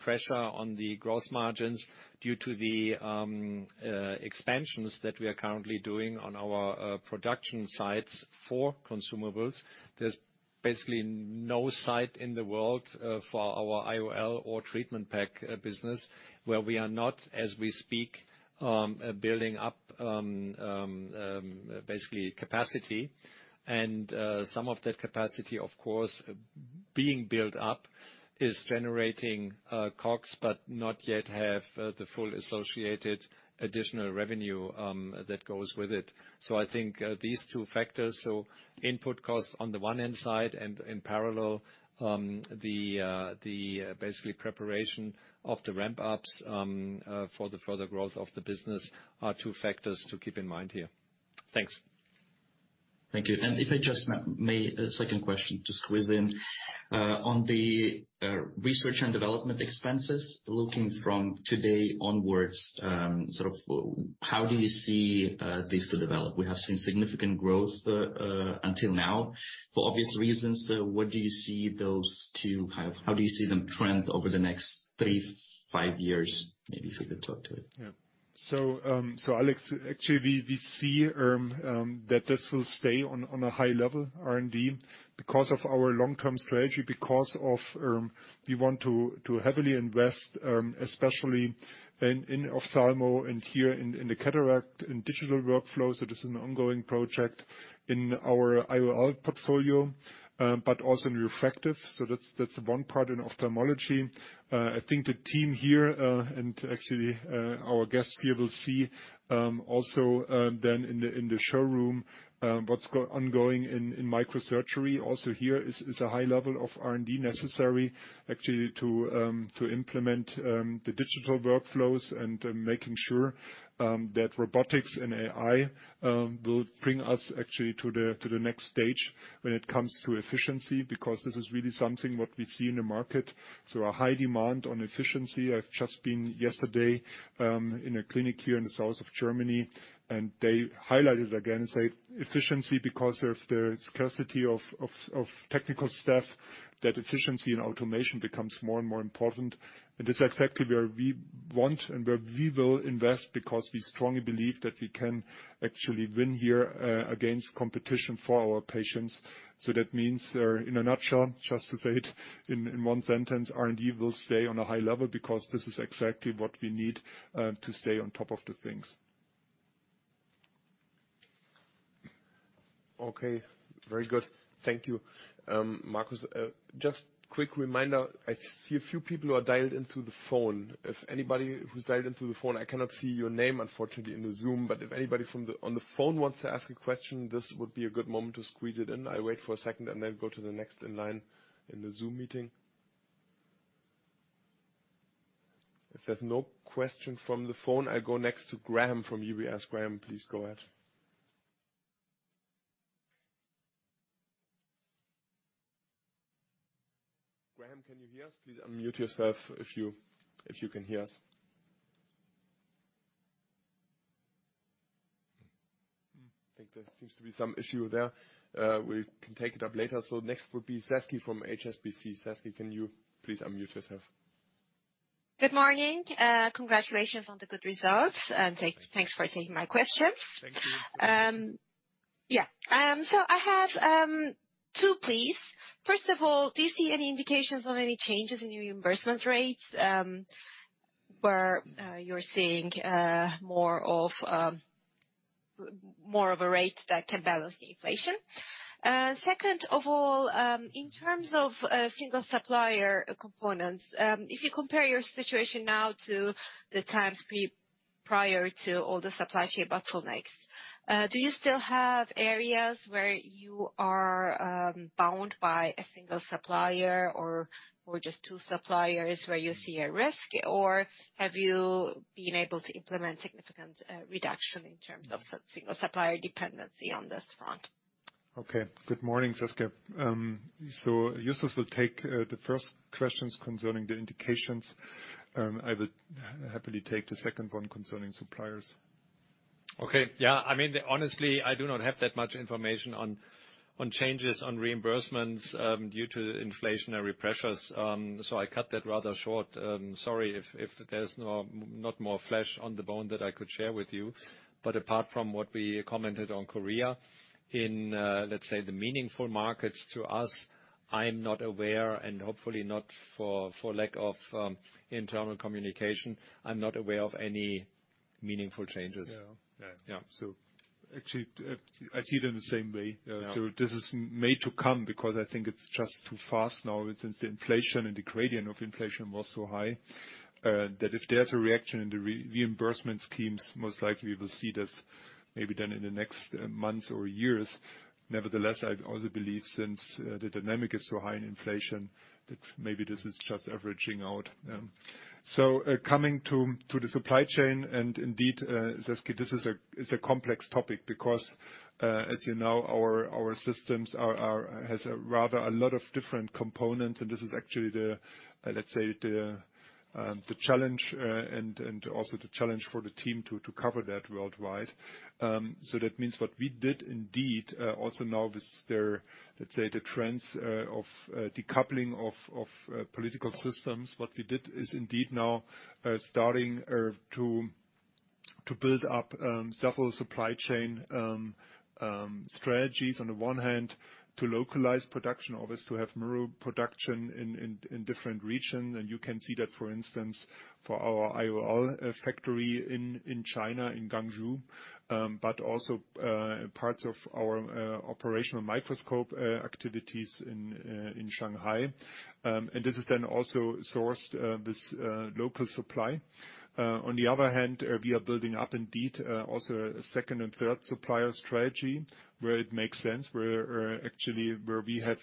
pressure on the gross margins due to the expansions that we are currently doing on our production sites for consumables. There's basically no site in the world for our IOL or treatment pack business where we are not, as we speak, building up basically capacity. Some of that capacity, of course, being built up is generating, costs but not yet have, the full associated additional revenue that goes with it. I think, these two factors, so input costs on the one hand side and in parallel, the basically preparation of the ramp-ups for the further growth of the business are two factors to keep in mind here. Thanks. Thank you. If I just may, a second question to squeeze in. On the research and development expenses, looking from today onwards, sort of how do you see this to develop? We have seen significant growth, until now, for obvious reasons. What do you see those two have? How do you see them trend over the next three, five years, maybe if you could talk to it? Yeah. Alex, actually, we see that this will stay on a high level R&D because of our long-term strategy, because of we want to heavily invest especially in ophthalmo and here in the cataract and digital workflows. This is an ongoing project in our IOL portfolio, but also in refractive. That's one part in ophthalmology. I think the team here and actually our guests here will see also then in the showroom what's ongoing in microsurgery. Here is a high level of R&D necessary actually to implement the digital workflows and making sure that robotics and AI will bring us actually to the next stage when it comes to efficiency, because this is really something what we see in the market. A high demand on efficiency. I've just been yesterday in a clinic here in the south of Germany, and they highlighted again, say, efficiency because of the scarcity of technical staff. That efficiency and automation becomes more and more important, and it's exactly where we want and where we will invest because we strongly believe that we can actually win here against competition for our patients. That means, in a nutshell, just to say it in one sentence, R&D will stay on a high level because this is exactly what we need to stay on top of the things. Okay, very good. Thank you. Marcus, just quick reminder, I see a few people who are dialed in through the phone. If anybody who's dialed in through the phone, I cannot see your name, unfortunately, in the Zoom, but if anybody on the phone wants to ask a question, this would be a good moment to squeeze it in. I wait for a second and then go to the next in line in the Zoom meeting. If there's no question from the phone, I go next to Graham from UBS. Graham, please go ahead. Graham, can you hear us? Please unmute yourself if you can hear us. I think there seems to be some issue there. We can take it up later. Next would be Saskia from HSBC. Saskia, can you please unmute yourself? Good morning. Congratulations on the good results. Thanks for taking my questions. Thank you. Yeah. I have two, please. First of all, do you see any indications on any changes in your reimbursement rates, where you're seeing more of more of a rate that can balance the inflation? Second of all, in terms of single supplier components, if you compare your situation now to the times prior to all the supply chain bottlenecks, do you still have areas where you are bound by a single supplier or just two suppliers where you see a risk? Have you been able to implement significant reduction in terms of single supplier dependency on this front? Okay. Good morning, Saskia. Justus will take the first questions concerning the indications. I would happily take the second one concerning suppliers. Okay. Yeah. I mean, honestly, I do not have that much information on changes on reimbursements, due to inflationary pressures. I cut that rather short. Sorry if there's no, not more flesh on the bone that I could share with you. Apart from what we commented on Korea, in, let's say, the meaningful markets to us, I'm not aware, and hopefully not for lack of, internal communication, I'm not aware of any meaningful changes. Yeah. Yeah. Yeah. actually, I see it in the same way. Yeah. This is made to come because I think it's just too fast now since the inflation and the gradient of inflation was so high, that if there's a reaction in the reimbursement schemes, most likely we'll see this maybe then in the next months or years. Nevertheless, I also believe since the dynamic is so high in inflation, that maybe this is just averaging out. Coming to the supply chain, and indeed, Saskia, this is a complex topic because, as you know, our systems has a rather a lot of different components, and this is actually the, let's say, the challenge and also the challenge for the team to cover that worldwide. That means what we did indeed, also now with their, let's say, the trends, of decoupling of political systems, what we did is indeed now starting to build up several supply chain strategies on the one hand to localize production or is to have more production in different regions. You can see that, for instance, for our IOL factory in China, in Guangzhou, but also parts of our operational microscope activities in Shanghai. This is then also sourced, this local supply. On the other hand, we are building up indeed also a second and third supplier strategy where it makes sense, where actually where we have,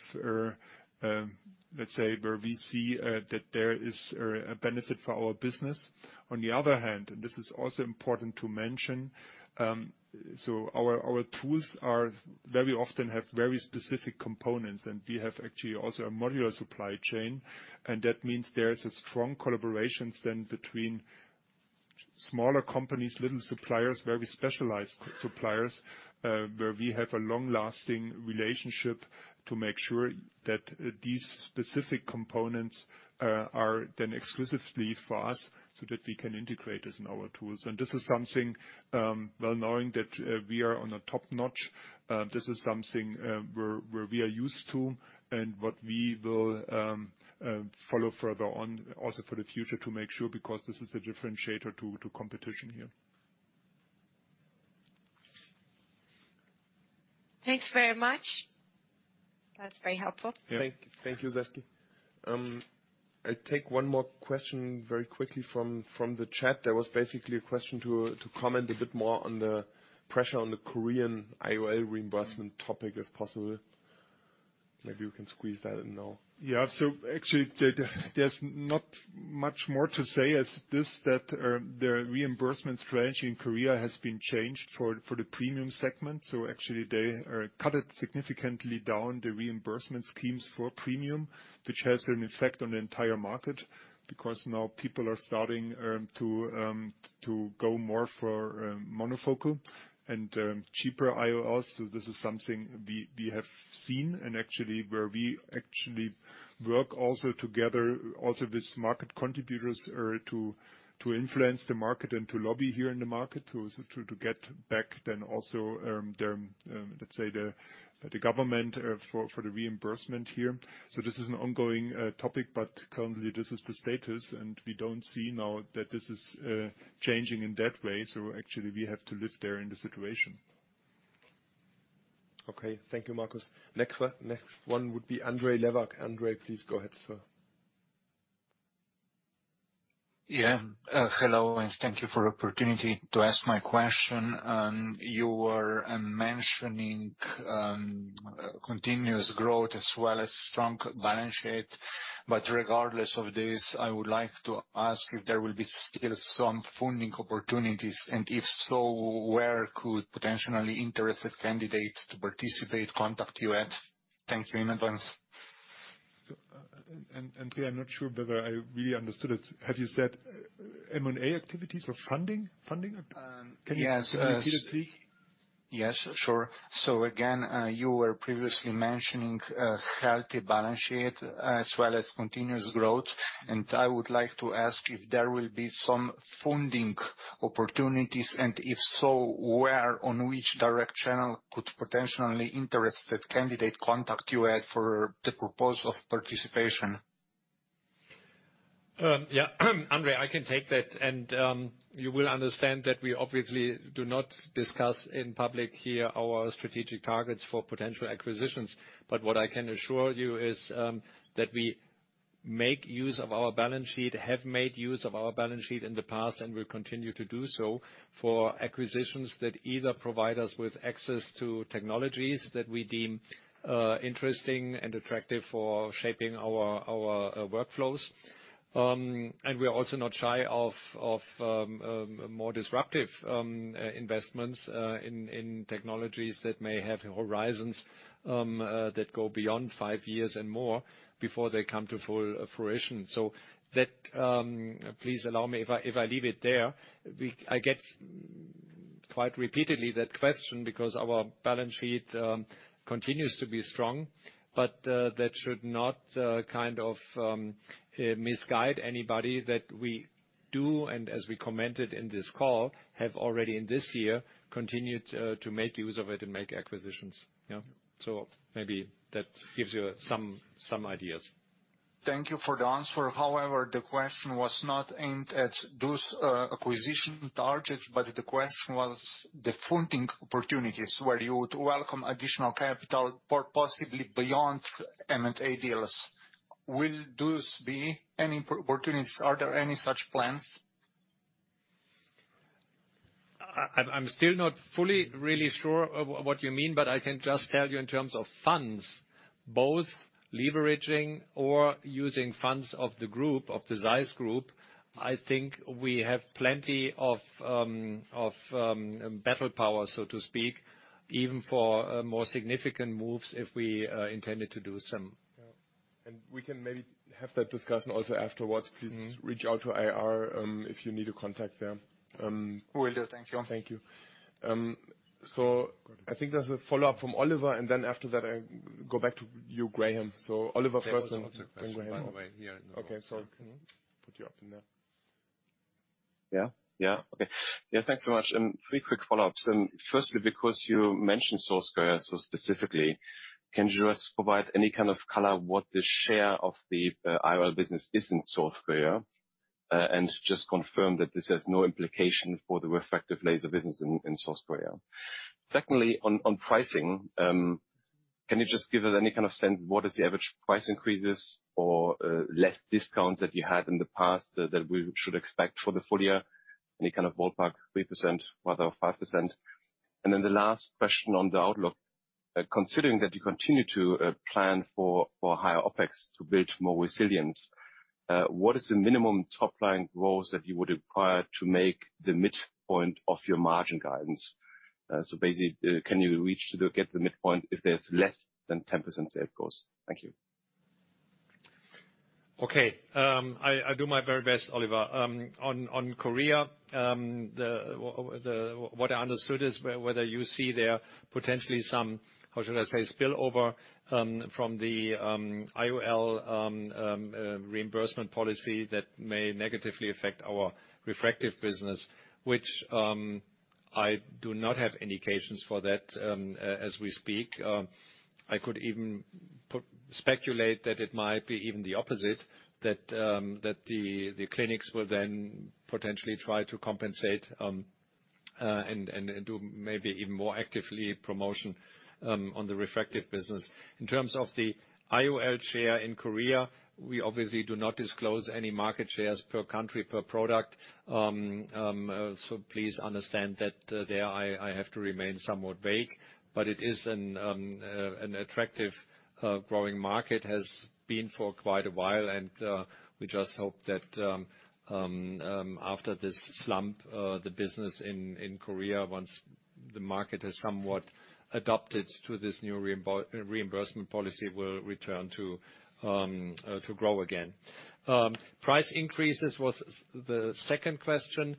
let's say, where we see that there is a benefit for our business. On the other hand, and this is also important to mention, our tools are very often have very specific components, and we have actually also a modular supply chain. That means there is a strong collaborations then between smaller companies, little suppliers, very specialized suppliers, where we have a long-lasting relationship to make sure that these specific components are then exclusively for us so that we can integrate this in our tools. This is something, well, knowing that we are on a top-notch, this is something where we are used to and what we will follow further on also for the future to make sure because this is a differentiator to competition here. Thanks very much. That's very helpful. Thank you. Thank you, Saskia. I'll take one more question very quickly from the chat. There was basically a question to comment a bit more on the pressure on the Korean IOL reimbursement topic, if possible. Maybe we can squeeze that in now. Actually, there's not much more to say as this, that their reimbursement strategy in Korea has been changed for the premium segment. Actually they are cut it significantly down the reimbursement schemes for premium, which has an effect on the entire market because now people are starting to go more for monofocal and cheaper IOLs. This is something we have seen and actually where we actually work together with market contributors to influence the market and to lobby here in the market to get back then also their, let's say the government, for the reimbursement here. This is an ongoing topic, but currently this is the status, and we don't see now that this is changing in that way. actually we have to live there in the situation. Okay. Thank you, Markus. Next one would be Andrej Levak. Andre, please go ahead, sir. Yeah. Hello and thank you for opportunity to ask my question. You were mentioning continuous growth as well as strong balance sheet. Regardless of this, I would like to ask if there will be still some funding opportunities, and if so, where could potentially interested candidates to participate contact you at? Thank you in advance. Andre, I'm not sure whether I really understood it. Have you said M&A activities or funding? Funding? Can you? Yes. say that please? Yes, sure. Again, you were previously mentioning a healthy balance sheet as well as continuous growth. I would like to ask if there will be some funding opportunities, and if so, where on which direct channel could potentially interested candidate contact you at for the proposal of participation? Yeah. Andre, I can take that. You will understand that we obviously do not discuss in public here our strategic targets for potential acquisitions. What I can assure you is that we make use of our balance sheet, have made use of our balance sheet in the past and will continue to do so for acquisitions that either provide us with access to technologies that we deem interesting and attractive for shaping our workflows. We are also not shy of more disruptive investments in technologies that may have horizons that go beyond five years and more before they come to full fruition. Please allow me, if I leave it there, I get quite repeatedly that question because our balance sheet continues to be strong. That should not, kind of, misguide anybody that we do and as we commented in this call, have already in this year continued to make use of it and make acquisitions. Yeah. Maybe that gives you some ideas. Thank you for the answer. The question was not aimed at those acquisition targets, but the question was the funding opportunities where you would welcome additional capital for possibly beyond M&A deals. Will those be any opportunities? Are there any such plans? I'm still not fully really sure of what you mean, but I can just tell you in terms of funds, both leveraging or using funds of the group, of the ZEISS Group, I think we have plenty of battle power, so to speak, even for more significant moves if we intended to do some. Yeah. We can maybe have that discussion also afterwards. Please reach out to IR, if you need to contact them. Will do. Thank you. Thank you. I think there's a follow-up from Oliver, and then after that I go back to you, Graham. Oliver first and then Graham. There was also a question, by the way, here in the room. Okay. Put you up in there. Yeah. Okay. Yeah, thanks so much. Three quick follow-ups. Firstly, because you mentioned South Korea so specifically, can you just provide any kind of color what the share of the IOL business is in South Korea, and just confirm that this has no implication for the refractive laser business in South Korea? Secondly, on pricing, can you just give us any kind of sense what is the average price increases or less discounts that you had in the past that we should expect for the full year? Any kind of ballpark, 3% rather 5%. The last question on the outlook, considering that you continue to plan for higher OpEx to build more resilience, what is the minimum top-line growth that you would require to make the midpoint of your margin guidance? Basically, can you reach to get the midpoint if there's less than 10% sales growth? Thank you. Okay. I do my very best, Oliver. On, on Korea, what I understood is whether you see there potentially some, how should I say, spillover from the IOL reimbursement policy that may negatively affect our refractive business, which I do not have indications for that as we speak. I could even speculate that it might be even the opposite, that the clinics will then potentially try to compensate. Do maybe even more actively promotion on the refractive business. In terms of the IOL share in Korea, we obviously do not disclose any market shares per country, per product. Please understand that there I have to remain somewhat vague, but it is an attractive growing market, has been for quite a while, and we just hope that after this slump, the business in Korea, once the market has somewhat adapted to this new reimbursement policy, will return to grow again. Price increases was the second question.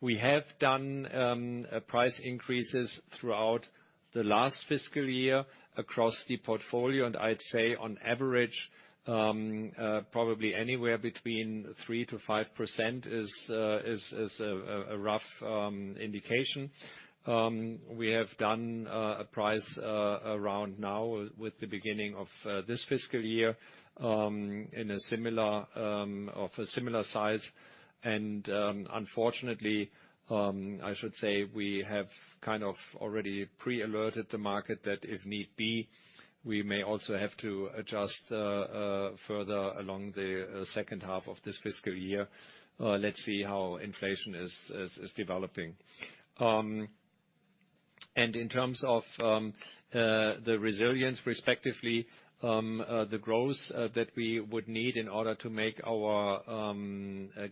We have done price increases throughout the last fiscal year across the portfolio, and I'd say on average, probably anywhere between 3%-5% is a rough indication. We have done a price around now with the beginning of this fiscal year, in a similar of a similar size, unfortunately, I should say we have kind of already pre-alerted the market that if need be, we may also have to adjust further along the second half of this fiscal year. Let's see how inflation is developing. In terms of the resilience respectively, the growth that we would need in order to make our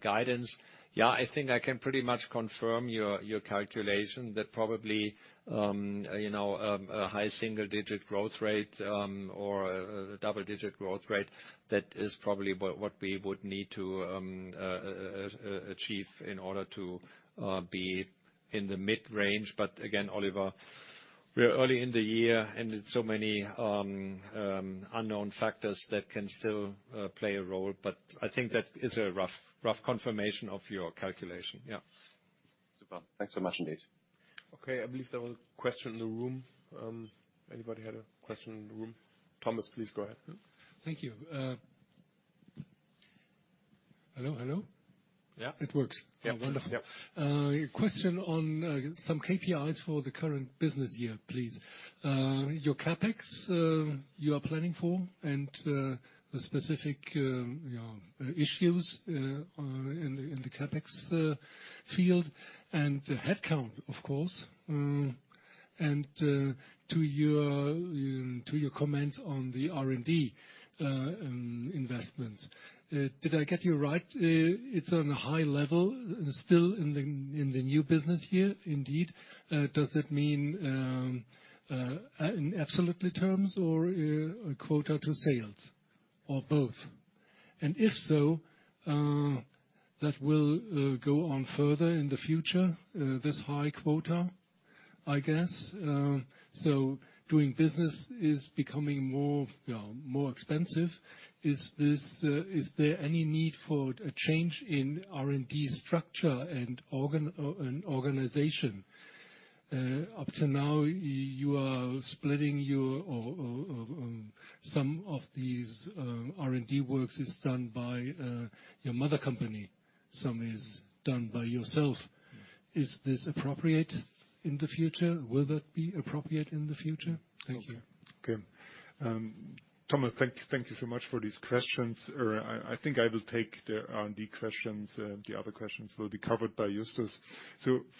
guidance, yeah, I think I can pretty much confirm your calculation that probably, you know, a high single-digit growth rate or a double-digit growth rate, that is probably what we would need to achieve in order to be in the mid-range. Again, Oliver, we are early in the year, and so many unknown factors that can still play a role. I think that is a rough confirmation of your calculation. Yeah. Super. Thanks so much indeed. Okay. I believe there were question in the room. Anybody had a question in the room? Thomas, please go ahead. Thank you. hello? Yeah. It works. Yeah. Wonderful. Yeah. Question on some KPIs for the current business year, please. Your CapEx you are planning for, and the specific, you know, issues in the CapEx field, and the headcount, of course. To your comments on the R&D investments, did I get you right? It's on a high level still in the new business year indeed. Does it mean in absolutely terms or a quota to sales or both? If so, that will go on further in the future, this high quota, I guess. Doing business is becoming more, you know, more expensive. Is there any need for a change in R&D structure and organization? Up to now, you are splitting your some of these R&D works is done by your mother company, some is done by yourself. Is this appropriate in the future? Will that be appropriate in the future? Thank you. Okay. Thomas, thank you so much for these questions. I think I will take the R&D questions. The other questions will be covered by Justus.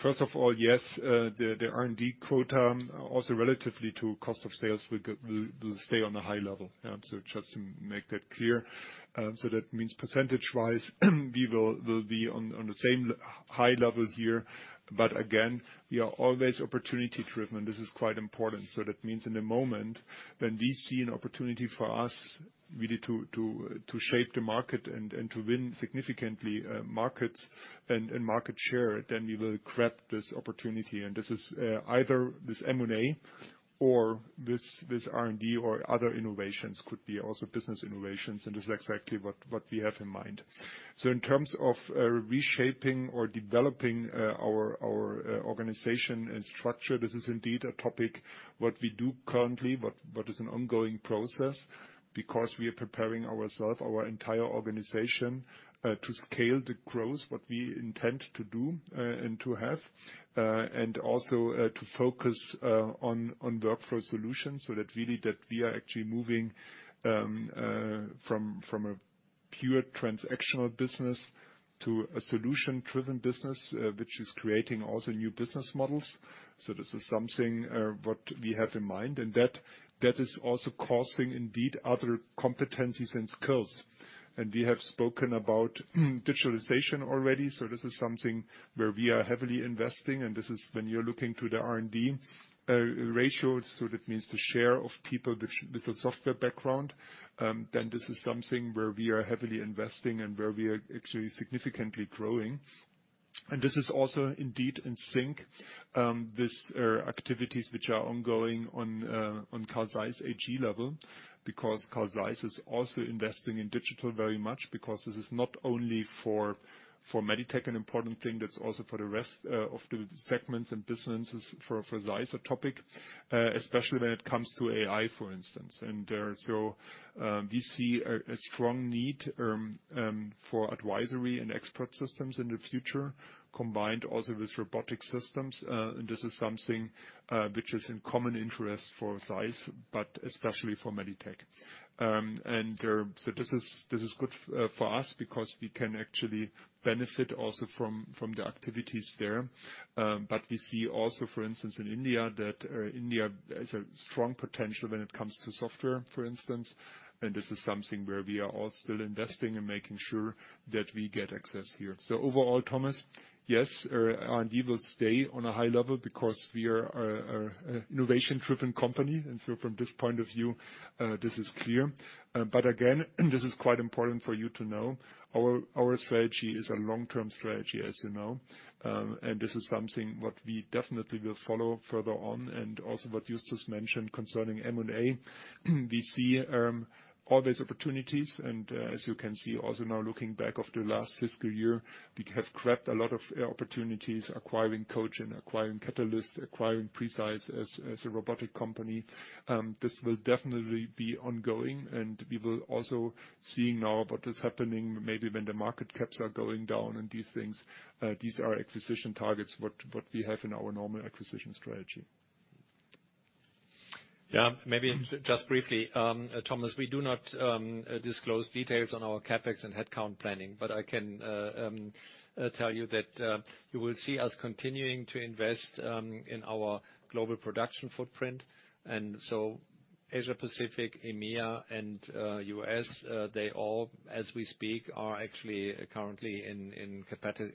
First of all, yes, the R&D quota, also relatively to cost of sales will stay on a high level. Yeah, just to make that clear. That means percentage-wise, we will be on the same high level here. Again, we are always opportunity-driven. This is quite important. That means in the moment when we see an opportunity for us really to shape the market and to win significantly, markets and market share, then we will grab this opportunity. This is either this M&A or this R&D or other innovations could be also business innovations, and this is exactly what we have in mind. In terms of reshaping or developing our organization and structure, this is indeed a topic what we do currently, but as an ongoing process because we are preparing ourself, our entire organization to scale the growth what we intend to do and to have and also to focus on workflow solutions so that really that we are actually moving from a pure transactional business to a solution-driven business, which is creating also new business models. This is something what we have in mind, and that is also causing indeed other competencies and skills. We have spoken about digitalization already, so this is something where we are heavily investing, and this is when you're looking to the R&D ratio, so that means the share of people with a software background, then this is something where we are heavily investing and where we are actually significantly growing. This is also indeed in sync, these activities which are ongoing on Carl Zeiss AG level, because Carl Zeiss is also investing in digital very much because this is not only for Meditec an important thing, that's also for the rest of the segments and businesses for Zeiss a topic, especially when it comes to AI, for instance. We see a strong need for advisory and expert systems in the future, combined also with robotic systems. This is something which is in common interest for ZEISS, but especially for Meditec. This is good for us because we can actually benefit also from the activities there. We see also, for instance, in India that India has a strong potential when it comes to software, for instance, and this is something where we are all still investing and making sure that we get access here. Overall, Thomas, yes, our R&D will stay on a high level because we are a innovation-driven company, and so from this point of view, this is clear. Again, this is quite important for you to know, our strategy is a long-term strategy, as you know, and this is something what we definitely will follow further on. Also what Justus mentioned concerning M&A, we see all these opportunities. As you can see also now looking back of the last fiscal year, we have grabbed a lot of opportunities, acquiring Kogent and acquiring Katalyst, acquiring Preceyes as a robotic company. This will definitely be ongoing and we will also seeing now what is happening maybe when the market caps are going down and these things, these are acquisition targets, what we have in our normal acquisition strategy. Maybe just briefly, Thomas, we do not disclose details on our CapEx and headcount planning, but I can tell you that you will see us continuing to invest in our global production footprint. Asia Pacific, EMEA and US, they all, as we speak, are actually currently in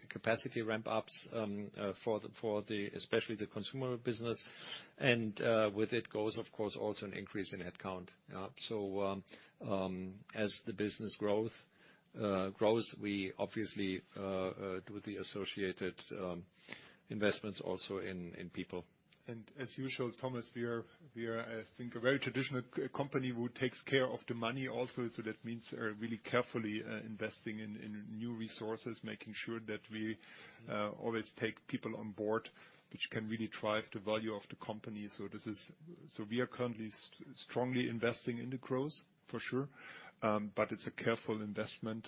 capacity ramp ups for the especially the consumer business. With it goes, of course, also an increase in headcount. As the business growth grows, we obviously do the associated investments also in people. As usual, Thomas, we are I think a very traditional company who takes care of the money also. That means, really carefully, investing in new resources, making sure that we always take people on board which can really drive the value of the company. We are currently strongly investing in the growth, for sure, but it's a careful investment.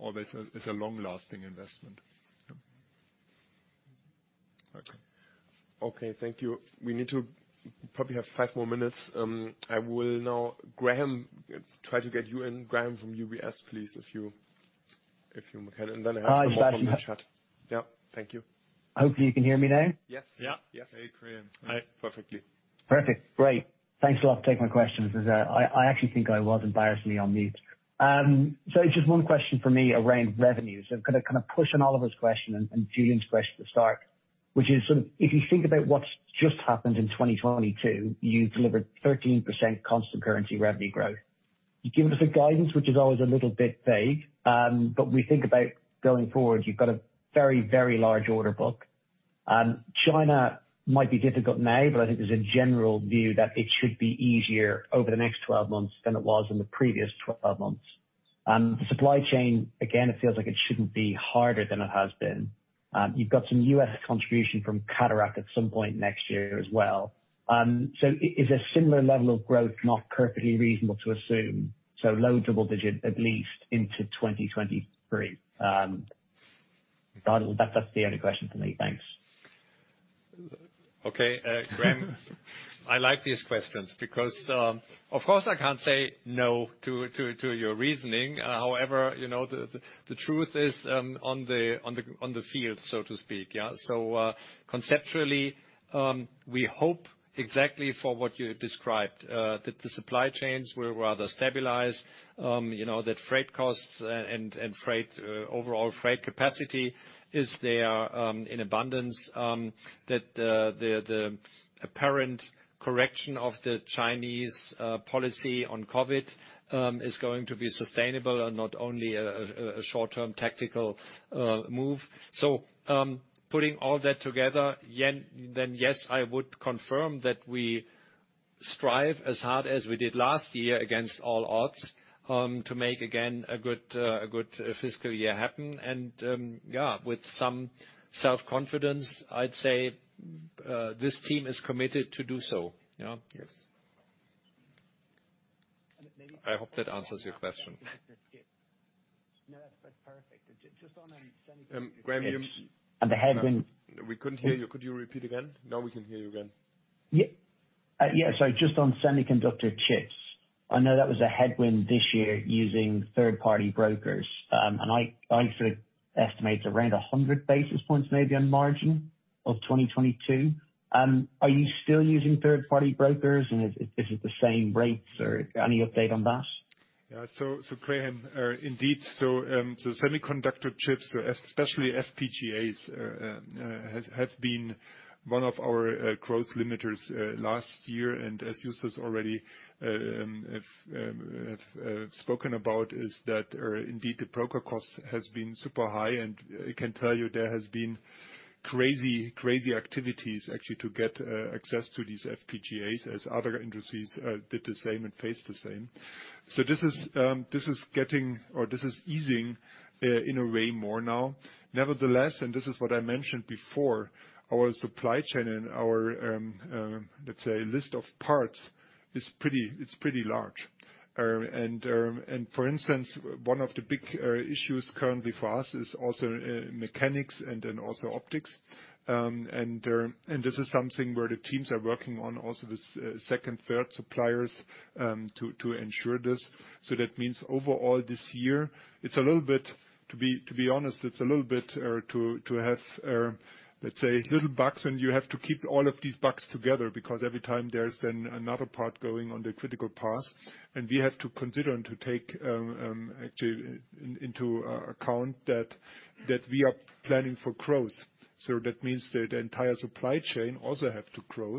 Always it's a long-lasting investment. Yeah. Okay. Okay. Thank you. We need to probably have 5 more minutes. I will now, Graham, try to get you in. Graham from UBS, please, if you can. Then I have some more from the chat. Thank you. Hopefully you can hear me now. Yes. Yeah. Yes. Hey, Graham. Hi. Perfectly. Perfect. Great. Thanks a lot for taking my questions. I actually think I was embarrassingly on mute. Just one question for me around revenues. I'm gonna kinda push on Oliver's question and Julien's question to start, which is sort of if you think about what's just happened in 2022, you delivered 13% constant currency revenue growth. You've given us a guidance, which is always a little bit vague, but we think about going forward, you've got a very, very large order book. China might be difficult now, but I think there's a general view that it should be easier over the next 12 months than it was in the previous 12 months. The supply chain, again, it feels like it shouldn't be harder than it has been. You've got some US contribution from cataract at some point next year as well. Is a similar level of growth not perfectly reasonable to assume? Low double digit, at least into 2023. That's the only question for me. Thanks. Okay. Graham, I like these questions because, of course, I can't say no to your reasoning. However, you know, the truth is, on the field, so to speak, yeah? Conceptually, we hope exactly for what you described, that the supply chains will rather stabilize, you know, that freight costs and freight, overall freight capacity is there, in abundance, that the apparent correction of the Chinese policy on COVID is going to be sustainable and not only a short-term tactical move. Putting all that together, then, yes, I would confirm that we strive as hard as we did last year against all odds, to make again a good fiscal year happen. Yeah, with some self-confidence, I'd say, this team is committed to do so, you know? Yes. I hope that answers your question. No, that's perfect. just on. Graham. the headwind- We couldn't hear you. Could you repeat again? Now we can hear you again. Yeah, sorry. Just on semiconductor chips. I know that was a headwind this year using third-party brokers, and I sort of estimate it's around 100 basis points maybe on margin of 2022. Are you still using third-party brokers, is it the same rates or any update on that? Graham, indeed, semiconductor chips, especially FPGAs, have been one of our growth limiters last year. As Justus already have spoken about is that indeed the broker cost has been super high. I can tell you there has been crazy activities actually to get access to these FPGAs as other industries did the same and faced the same. This is getting or this is easing in a way more now. Nevertheless, this is what I mentioned before, our supply chain and our, let's say, list of parts is pretty large. For instance, one of the big issues currently for us is also mechanics and then also optics. And this is something where the teams are working on also with second, third suppliers to ensure this. Overall this year it's a little bit. To be honest, it's a little bit to have, let's say little bugs, and you have to keep all of these bugs together because every time there's then another part going on the critical path, and we have to consider and to take actually into account that we are planning for growth. The entire supply chain also have to grow.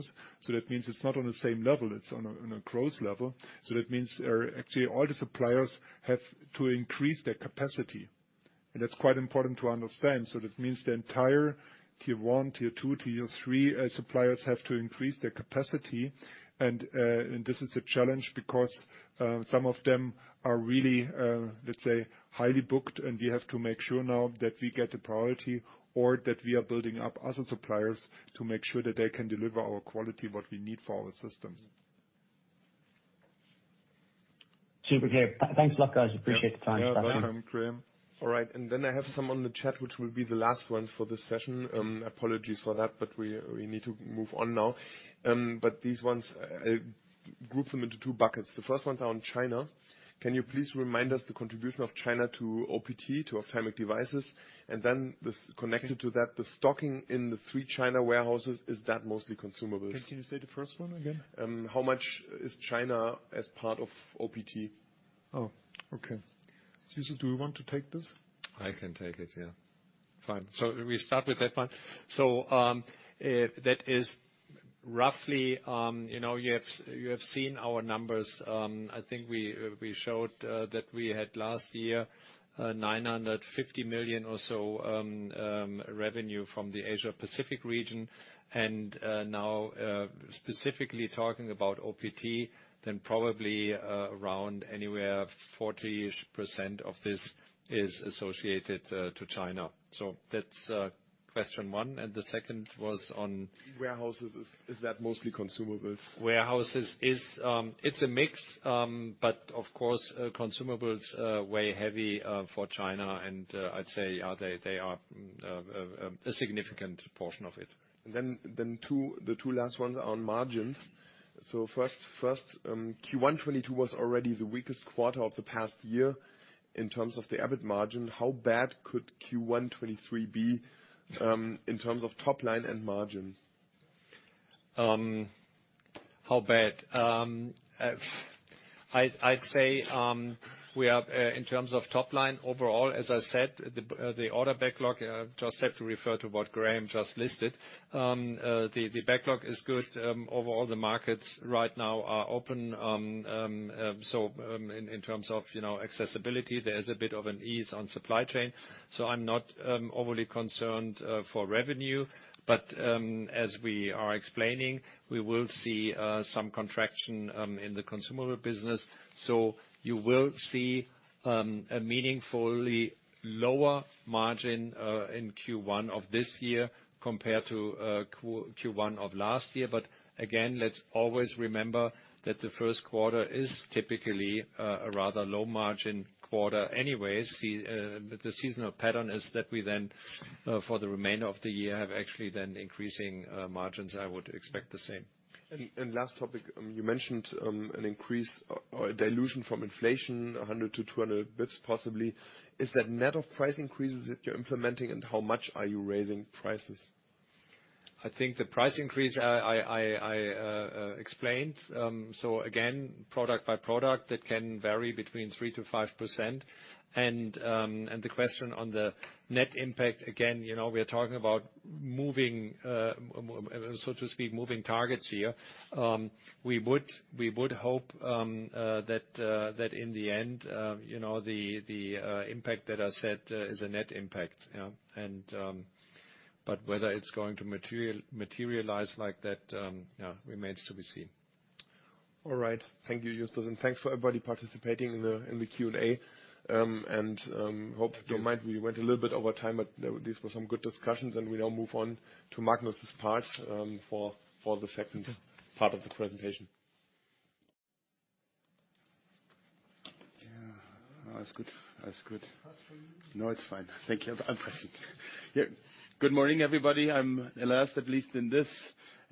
It's not on the same level, it's on a growth level. Actually all the suppliers have to increase their capacity, and that's quite important to understand. That means the entire tier one, tier two, tier three, suppliers have to increase their capacity. This is a challenge because, some of them are really, let's say, highly booked, and we have to make sure now that we get the priority or that we are building up other suppliers to make sure that they can deliver our quality, what we need for our systems. Super clear. thanks a lot, guys. Appreciate the time. Yeah. Yeah, welcome Graham. All right. I have some on the chat, which will be the last one for this session. Apologies for that, but we need to move on now. These ones, group them into two buckets. The first ones are on China. Can you please remind us the contribution of China to OPT, to ophthalmic devices? This, connected to that, the stocking in the three China warehouses, is that mostly consumables? Can you say the first one again? How much is China as part of OPT? Oh, okay. Justus, do you want to take this? I can take it, yeah. Fine. We start with that one. That is roughly, you know, you have, you have seen our numbers. I think we showed that we had last year 950 million or so revenue from the Asia Pacific region. Now specifically talking about OPT, then probably around anywhere 40-ish% of this is associated to China. That's question one, and the second was on. Warehouses, is that mostly consumables? Warehouses is, it's a mix, but of course, consumables weigh heavy for China, and I'd say, yeah, they are a significant portion of it. The two last ones are on margins. First, Q1 2022 was already the weakest quarter of the past year in terms of the EBIT margin. How bad could Q1 2023 be in terms of top line and margin? How bad? I'd say, we have, in terms of top line overall, as I said, the order backlog. Just have to refer to what Graham just listed. The backlog is good. Overall, the markets right now are open. In terms of, you know, accessibility, there's a bit of an ease on supply chain, so I'm not overly concerned for revenue. As we are explaining, we will see some contraction in the consumable business. You will see a meaningfully lower margin in Q1 of this year compared to Q1 of last year. Again, let's always remember that the first quarter is typically a rather low margin quarter anyways. The seasonal pattern is that we then for the remainder of the year, have actually then increasing margins. I would expect the same. Last topic. You mentioned an increase or a dilution from inflation, 100 to 200 basis points possibly. Is that net of price increases that you're implementing, and how much are you raising prices? I think the price increase I explained, so again, product by product, that can vary between 3% to 5%. The question on the net impact, again, you know, we are talking about moving, so to speak, moving targets here. We would hope that in the end, you know, the impact that I said is a net impact, yeah. But whether it's going to materialize like that, yeah, remains to be seen. All right. Thank you, Justus, and thanks for everybody participating in the Q&A. Hope you don't mind, we went a little bit over time, but these were some good discussions. We now move on to Magnus' part, for the second part of the presentation. Yeah. No, that's good. That's good. Fast for you? No, it's fine. Thank you. I'm pressing. Yeah. Good morning, everybody. I'm the last, at least in this,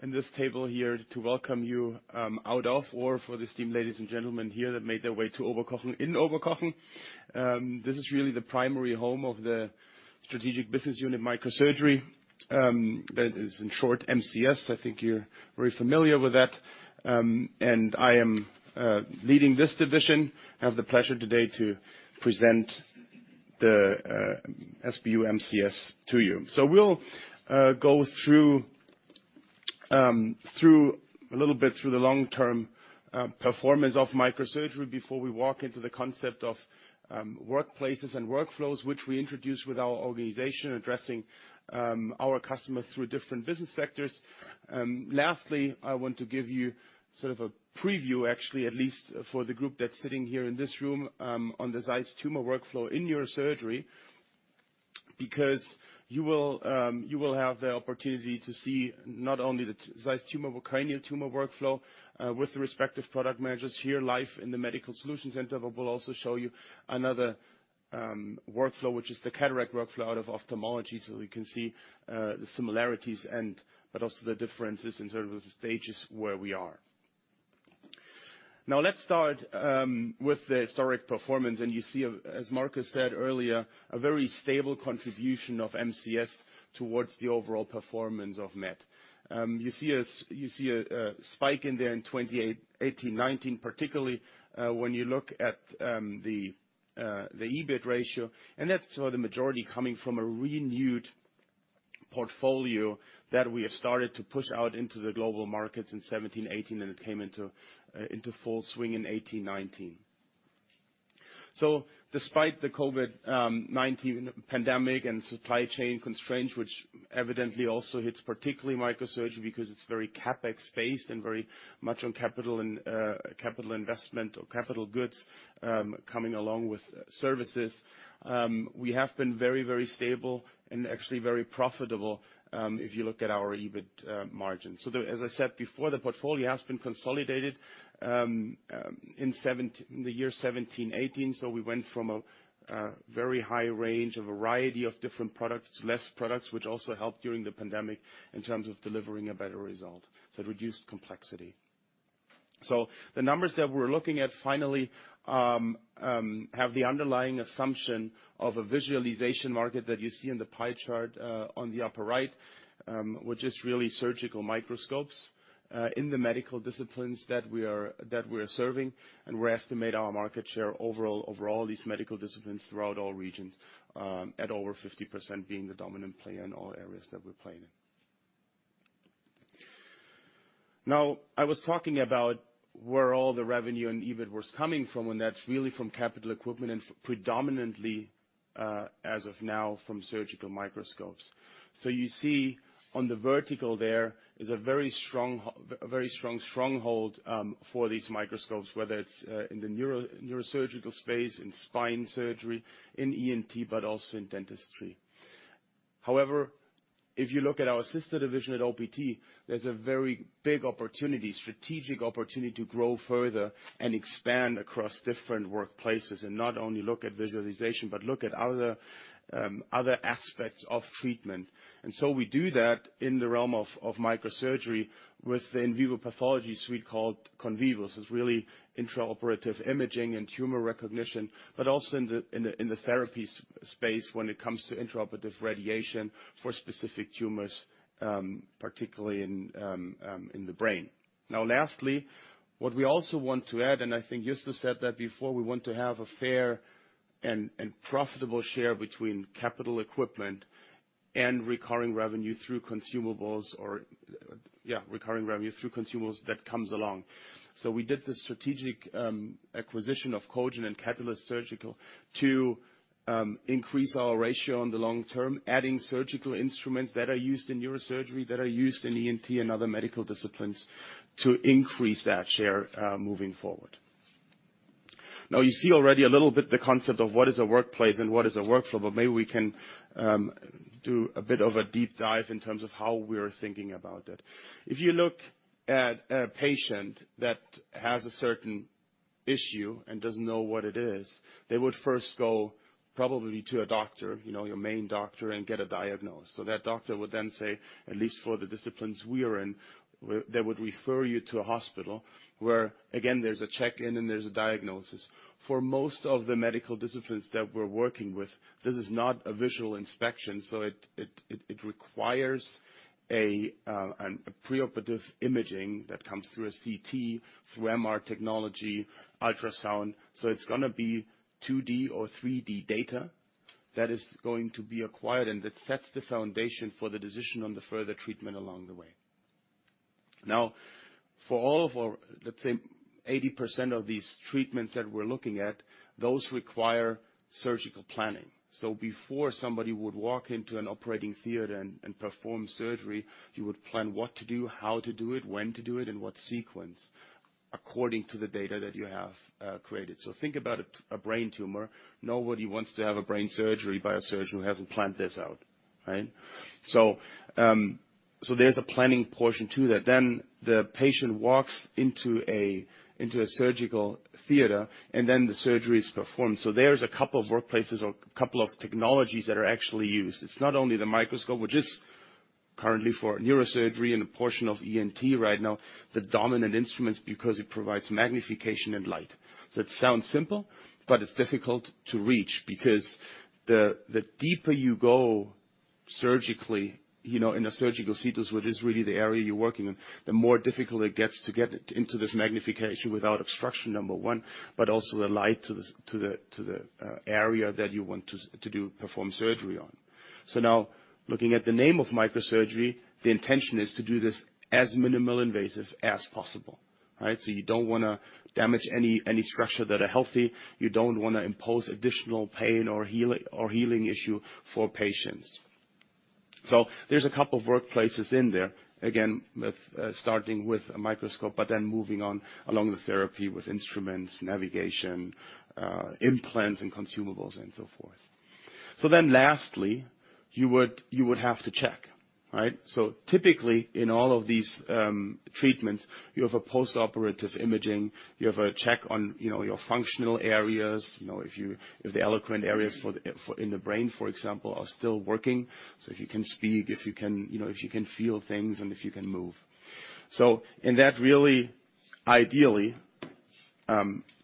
in this table here, to welcome you, out of or for the esteemed ladies and gentlemen here that made their way to Oberkochen in Oberkochen. This is really the primary home of the strategic business unit Microsurgery, that is in short MCS. I think you're very familiar with that. And I am leading this division. I have the pleasure today to present the SBU MCS to you. We'll go through a little bit through the long-term performance of Microsurgery before we walk into the concept of workplaces and workflows, which we introduced with our organization, addressing our customers through different business sectors. Lastly, I want to give you sort of a preview, actually, at least for the group that's sitting here in this room, on the ZEISS tumor workflow in your surgery, because you will have the opportunity to see not only the ZEISS tumor or cranial tumor workflow with the respective product managers here live in the Medical Solutions Center, but we'll also show you another workflow, which is the cataract workflow out of ophthalmology, so we can see the similarities and but also the differences in terms of the stages where we are. Now, let's start with the historic performance, and you see, as Markus said earlier, a very stable contribution of MCS towards the overall performance of MET. You see a spike in there in 2018-2019, particularly, when you look at the EBIT ratio, and that's sort of the majority coming from a renewed portfolio that we have started to push out into the global markets in 2017-2018, and it came into full swing in 2018-2019. Despite the COVID-19 pandemic and supply chain constraints, which evidently also hits particularly microsurgery because it's very CapEx based and very much on capital and capital investment or capital goods, coming along with services, we have been very, very stable and actually very profitable, if you look at our EBIT margin. As I said before, the portfolio has been consolidated in the year 2017-2018. We went from a very high range, a variety of different products to less products, which also helped during the pandemic in terms of delivering a better result. It reduced complexity. The numbers that we're looking at finally have the underlying assumption of a visualization market that you see in the pie chart on the upper right, which is really surgical microscopes in the medical disciplines that we are, that we're serving, and we estimate our market share overall, over all these medical disciplines throughout all regions at over 50% being the dominant player in all areas that we play in. I was talking about where all the revenue and EBIT was coming from, and that's really from capital equipment and predominantly, as of now from surgical microscopes. You see on the vertical there is a very strong stronghold for these microscopes, whether it's in the neuro-neurosurgical space, in spine surgery, in ENT, but also in dentistry. However, if you look at our assisted division at OPT, there's a very big opportunity, strategic opportunity to grow further and expand across different workplaces and not only look at visualization, but look at other aspects of treatment. We do that in the realm of microsurgery with the in vivo pathology suite called CONVIVO. It's really intraoperative imaging and tumor recognition, but also in the, in the, in the therapy space when it comes to intraoperative radiation for specific tumors, particularly in the brain. Lastly, what we also want to add, and I think Justus said that before, we want to have a fair and profitable share between capital equipment and recurring revenue through consumables or, yeah, recurring revenue through consumables that comes along. We did the strategic acquisition of Kogent Surgical and Katalyst Surgical to increase our ratio in the long term, adding surgical instruments that are used in neurosurgery, that are used in ENT and other medical disciplines to increase that share moving forward. You see already a little bit the concept of what is a workplace and what is a workflow. Maybe we can do a bit of a deep dive in terms of how we're thinking about it. If you look at a patient that has a certain issue and doesn't know what it is, they would first go probably to a doctor, you know, your main doctor, and get a diagnosis. That doctor would then say, at least for the disciplines we are in, they would refer you to a hospital where again, there's a check-in and there's a diagnosis. For most of the medical disciplines that we're working with, this is not a visual inspection. It requires a preoperative imaging that comes through a CT, through MR technology, ultrasound. it's gonna be 2D or 3D data that is going to be acquired, and that sets the foundation for the decision on the further treatment along the way. For all of our, let's say, 80% of these treatments that we're looking at, those require surgical planning. Before somebody would walk into an operating theater and perform surgery, you would plan what to do, how to do it, when to do it, in what sequence according to the data that you have created. Think about a brain tumor. Nobody wants to have a brain surgery by a surgeon who hasn't planned this out, right? so there's a planning portion to that. The patient walks into a surgical theater, and then the surgery is performed. There's a couple of workplaces or couple of technologies that are actually used. It's not only the microscope, which is currently for neurosurgery and a portion of ENT right now, the dominant instruments because it provides magnification and light. It sounds simple, but it's difficult to reach because the deeper you go surgically, you know, in a surgical situs, which is really the area you're working in, the more difficult it gets to get it into this magnification without obstruction, number one, but also the light to the, to the area that you want to perform surgery on. Now looking at the name of microsurgery, the intention is to do this as minimal invasive as possible, right? You don't wanna damage any structure that are healthy. You don't wanna impose additional pain or healing issue for patients. There's a couple of workplaces in there, again, with starting with a microscope moving on along the therapy with instruments, navigation, implants and consumables and so forth. Lastly, you would have to check, right? Typically in all of these treatments, you have a postoperative imaging, you have a check on, you know, your functional areas, you know, if the eloquent areas for in the brain, for example, are still working. If you can speak, if you can, you know, if you can feel things and if you can move. That really ideally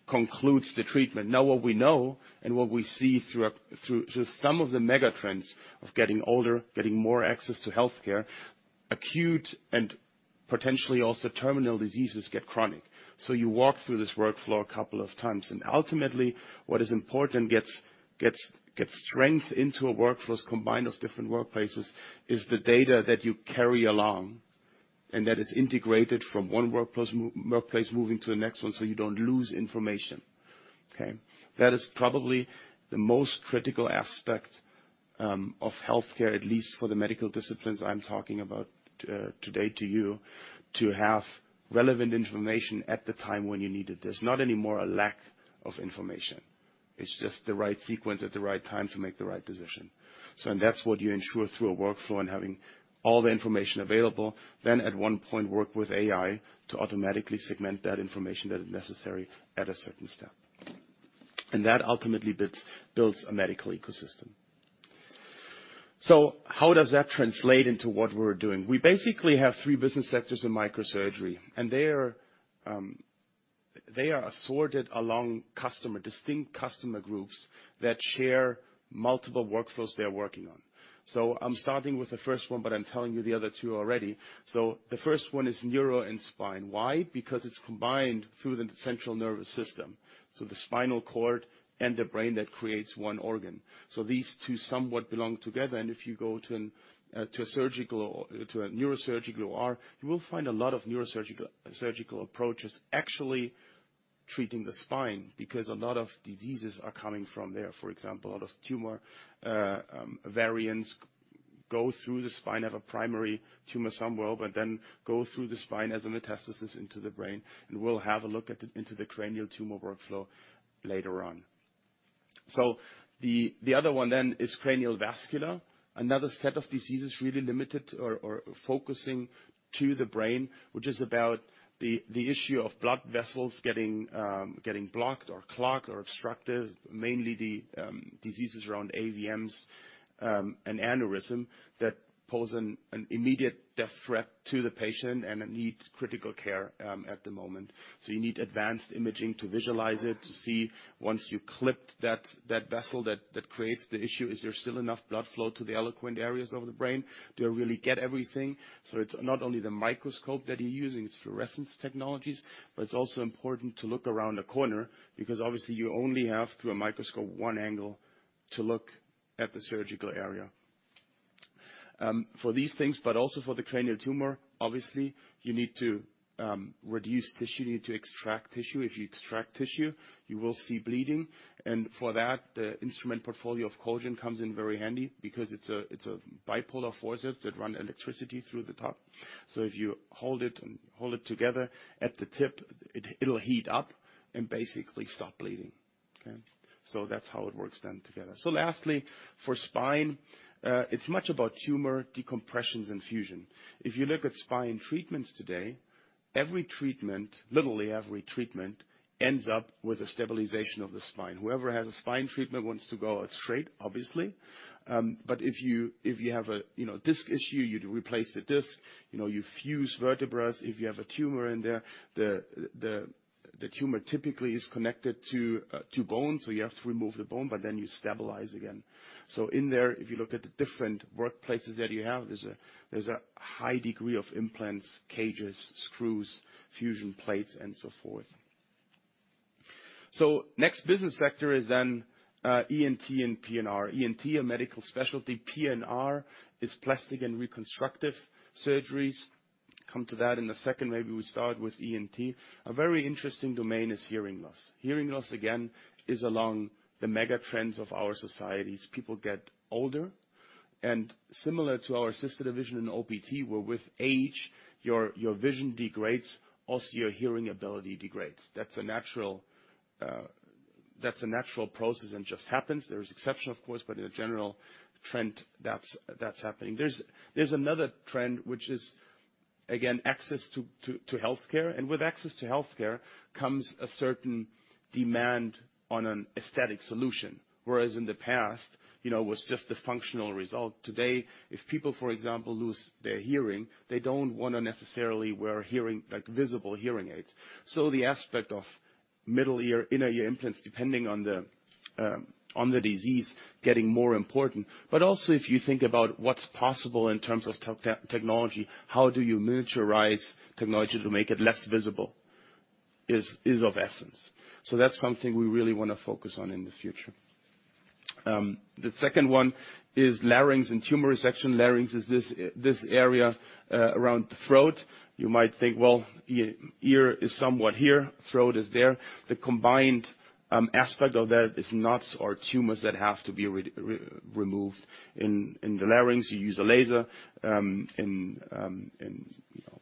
concludes the treatment. What we know and what we see through some of the mega trends of getting older, getting more access to healthcare, acute and potentially also terminal diseases get chronic. You walk through this workflow a couple of times, and ultimately what is important gets strength into a workflows combined of different workplaces is the data that you carry along, and that is integrated from one workplace workplace, moving to the next one, so you don't lose information, okay. That is probably the most critical aspect of healthcare, at least for the medical disciplines I'm talking about today to you, to have relevant information at the time when you need it. There's not any more a lack of information. It's just the right sequence at the right time to make the right decision. That's what you ensure through a workflow and having all the information available. At one point, work with AI to automatically segment that information that is necessary at a certain step. That ultimately builds a medical ecosystem. How does that translate into what we're doing? We basically have three business sectors in microsurgery, and they are assorted along distinct customer groups that share multiple workflows they're working on. I'm starting with the first one, but I'm telling you the other two already. The first one is neuro and spine. Why? Because it's combined through the central nervous system, so the spinal cord and the brain that creates one organ. These two somewhat belong together. If you go to an to a surgical or to a neurosurgical OR, you will find a lot of neurosurgical, surgical approaches actually treating the spine because a lot of diseases are coming from there. For example, a lot of tumor variants go through the spine, have a primary tumor somewhere, but then go through the spine as a metastasis into the brain, and we'll have a look into the cranial tumor workflow later on. The other one then is cranial vascular. Another set of diseases really limited or focusing to the brain, which is about the issue of blood vessels getting blocked or clogged or obstructive. Mainly the diseases around AVMs and aneurysm that pose an immediate death threat to the patient and it needs critical care at the moment. You need advanced imaging to visualize it, to see once you clipped that vessel that creates the issue, is there still enough blood flow to the eloquent areas of the brain? Do I really get everything? It's not only the microscope that you're using, it's fluorescence technologies, but it's also important to look around the corner because obviously you only have through a microscope one angle to look at the surgical area. For these things, but also for the cranial tumor, obviously, you need to reduce tissue, you need to extract tissue. If you extract tissue, you will see bleeding. For that, the instrument portfolio of Kogent comes in very handy because it's a bipolar forceps that run electricity through the top. If you hold it and hold it together at the tip, it'll heat up and basically stop bleeding. Okay. That's how it works then together. Lastly, for spine, it's much about tumor decompressions and fusion. If you look at spine treatments today, every treatment, literally every treatment ends up with a stabilization of the spine. Whoever has a spine treatment wants to go out straight, obviously. If you have a, you know, disc issue, you'd replace the disc. You know, you fuse vertebras. If you have a tumor in there, the tumor typically is connected to bone, so you have to remove the bone, but then you stabilize again. In there, if you look at the different workplaces that you have, there's a high degree of implants, cages, screws, fusion plates and so forth. Next business sector is ENT and PNR. ENT, a medical specialty. PNR is plastic and reconstructive surgeries. Come to that in a second. Maybe we start with ENT. A very interesting domain is hearing loss. Hearing loss, again, is along the mega trends of our societies. People get older, and similar to our assisted vision in OPT, where with age, your vision degrades, also your hearing ability degrades. That's a natural, that's a natural process and just happens. There is exception of course, but in a general trend, that's happening. There's another trend which is again, access to healthcare. With access to healthcare comes a certain demand on an aesthetic solution. Whereas in the past, you know, was just the functional result. Today, if people, for example, lose their hearing, they don't wanna necessarily wear hearing, like, visible hearing aids. The aspect of middle ear, inner ear implants, depending on the disease, getting more important. Also, if you think about what's possible in terms of technology, how do you miniaturize technology to make it less visible, is of essence. That's something we really wanna focus on in the future. The second one is larynx and tumor resection. Larynx is this area around the throat. You might think, well, ear is somewhat here, throat is there. The combined aspect of that is knots or tumors that have to be removed. In the larynx, you use a laser. In, you know,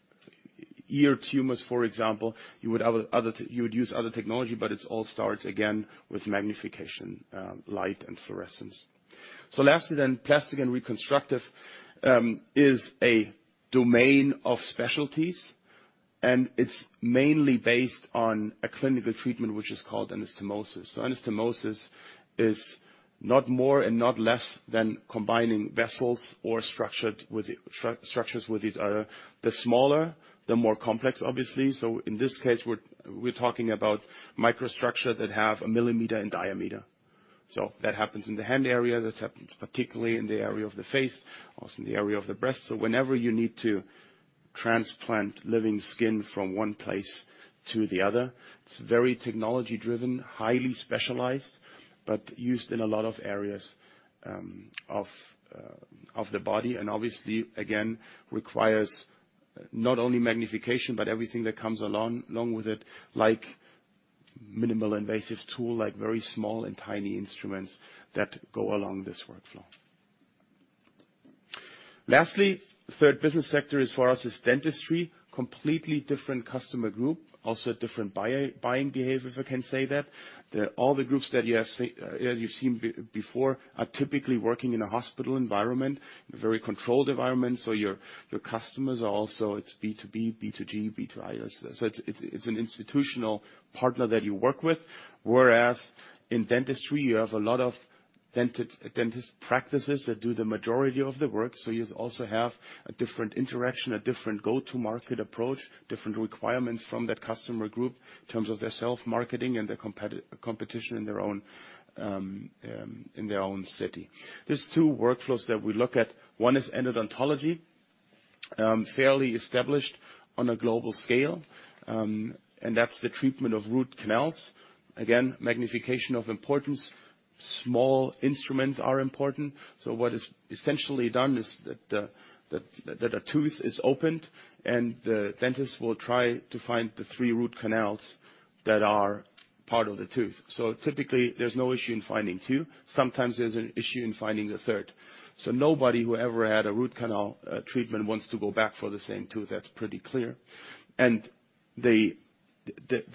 ear tumors, for example, you would use other technology, but it's all starts again with magnification, light and fluorescence. Lastly then, plastic and reconstructive is a domain of specialties, and it's mainly based on a clinical treatment, which is called anastomosis. Anastomosis is not more and not less than combining vessels or structures with each other. The smaller, the more complex obviously. In this case, we're talking about microstructure that have a millimeter in diameter. That happens in the hand area, that happens particularly in the area of the face, also in the area of the breast. Whenever you need to transplant living skin from one place to the other, it's very technology-driven, highly specialized, but used in a lot of areas of the body, and obviously, again, requires not only magnification, but everything that comes along with it, like minimal invasive tool, like very small and tiny instruments that go along this workflow. Lastly, third business sector is for us is dentistry. Completely different customer group, also different buying behavior, if I can say that. All the groups that you have seen before are typically working in a hospital environment, a very controlled environment, so your customers are also it's B2B, B2G, B2I. It's, it's an institutional partner that you work with. Whereas in dentistry, you have a lot of dentist practices that do the majority of the work. Yous also have a different interaction, a different go-to-market approach, different requirements from that customer group in terms of their self-marketing and their competition in their own, in their own city. There's two workflows that we look at. One is endodontology, fairly established on a global scale, and that's the treatment of root canals. Again, magnification of importance. Small instruments are important. what is essentially done is that a tooth is opened and the dentist will try to find the three root canals that are part of the tooth. Typically, there's no issue in finding two. Sometimes there's an issue in finding the third. Nobody who ever had a root canal treatment wants to go back for the same tooth, that's pretty clear. The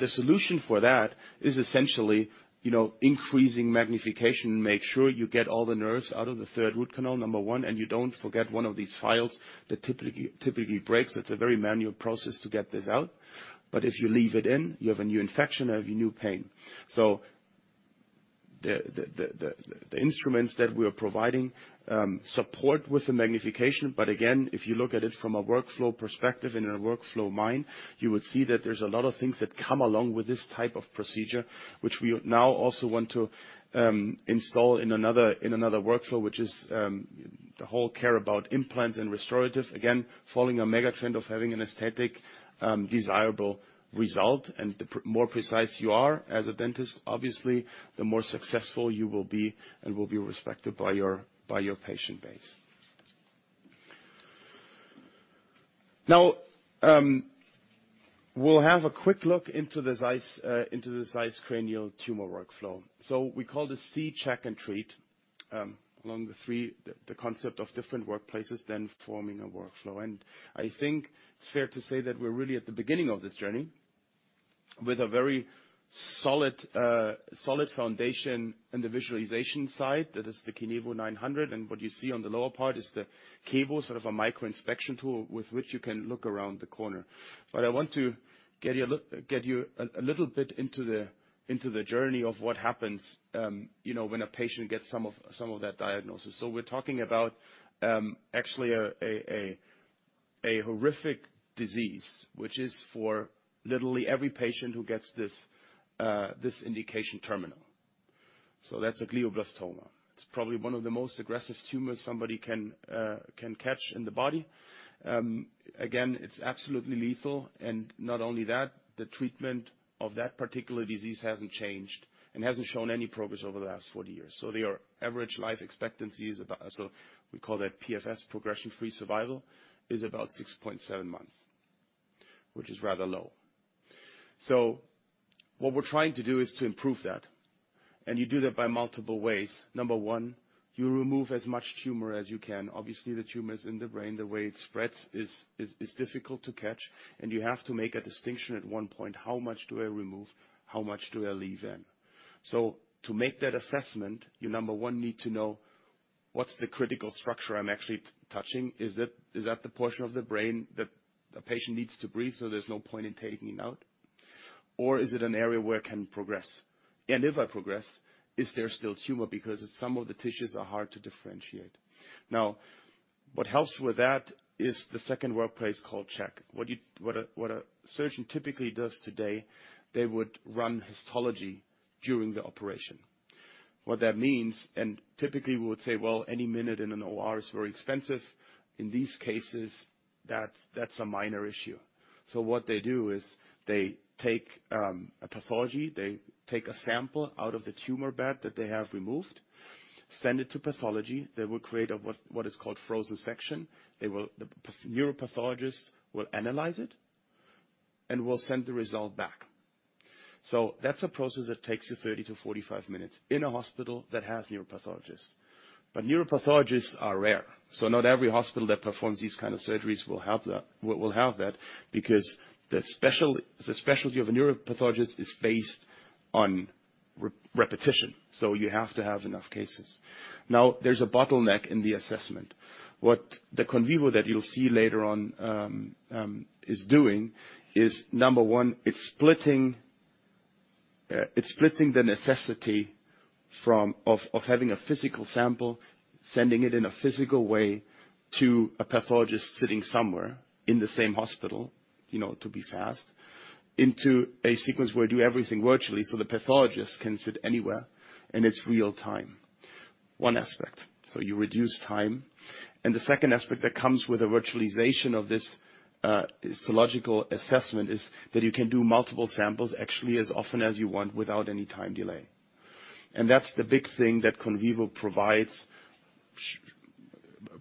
solution for that is essentially, you know, increasing magnification. Make sure you get all the nerves out of the third root canal, number one, and you don't forget one of these files that typically breaks. It's a very manual process to get this out. If you leave it in, you have a new infection, you have a new pain. The instruments that we're providing support with the magnification, but again, if you look at it from a workflow perspective, in a workflow mind, you would see that there's a lot of things that come along with this type of procedure, which we now also want to install in another, in another workflow, which is the whole care about implants and restorative. Again, following a mega trend of having an aesthetic desirable result. The more precise you are as a dentist, obviously, the more successful you will be and will be respected by your patient base. We'll have a quick look into the ZEISS into the ZEISS cranial tumor workflow. We call this See, Check & Treat. The concept of different workplaces forming a workflow. I think it's fair to say that we're really at the beginning of this journey with a very solid foundation in the visualization side. That is the KINEVO 900, and what you see on the lower part is the cable, sort of a micro inspection tool with which you can look around the corner. I want to get you a little bit into the journey of what happens, you know, when a patient gets some of that diagnosis. We're talking about, actually a horrific disease, which is for literally every patient who gets this indication terminal. That's a glioblastoma. It's probably one of the most aggressive tumors somebody can catch in the body. Again, it's absolutely lethal, and not only that, the treatment of that particular disease hasn't changed and hasn't shown any progress over the last 40 years. We call that PFS, progression-free survival, is about 6.7 months, which is rather low. What we're trying to do is to improve that, and you do that by multiple ways. Number one, you remove as much tumor as you can. Obviously, the tumor's in the brain, the way it spreads is difficult to catch, and you have to make a distinction at one point, how much do I remove, how much do I leave in? To make that assessment, you number one need to know what's the critical structure I'm actually touching. Is that the portion of the brain that a patient needs to breathe, so there's no point in taking it out? Or is it an area where it can progress? If I progress, is there still tumor? Because some of the tissues are hard to differentiate. What helps with that is the second workplace called Check. What a surgeon typically does today, they would run histology during the operation. What that means, typically we would say, well, any minute in an OR is very expensive. In these cases, that's a minor issue. What they do is they take a pathology, they take a sample out of the tumor bed that they have removed, send it to pathology. They will create what is called frozen section. The neuropathologist will analyze it and will send the result back. That's a process that takes you 30-45 minutes in a hospital that has neuropathologists. Neuropathologists are rare, so not every hospital that performs these kind of surgeries will have that because the specialty of a neuropathologist is based on repetition, so you have to have enough cases. Now, there's a bottleneck in the assessment. What the CONVIVO that you'll see later on is doing is number one, it's splitting the necessity of having a physical sample, sending it in a physical way to a pathologist sitting somewhere in the same hospital, you know, to be fast, into a sequence where you do everything virtually, so the pathologist can sit anywhere, and it's real-time. One aspect. You reduce time. The second aspect that comes with the virtualization of this histological assessment is that you can do multiple samples actually as often as you want without any time delay. That's the big thing that CONVIVO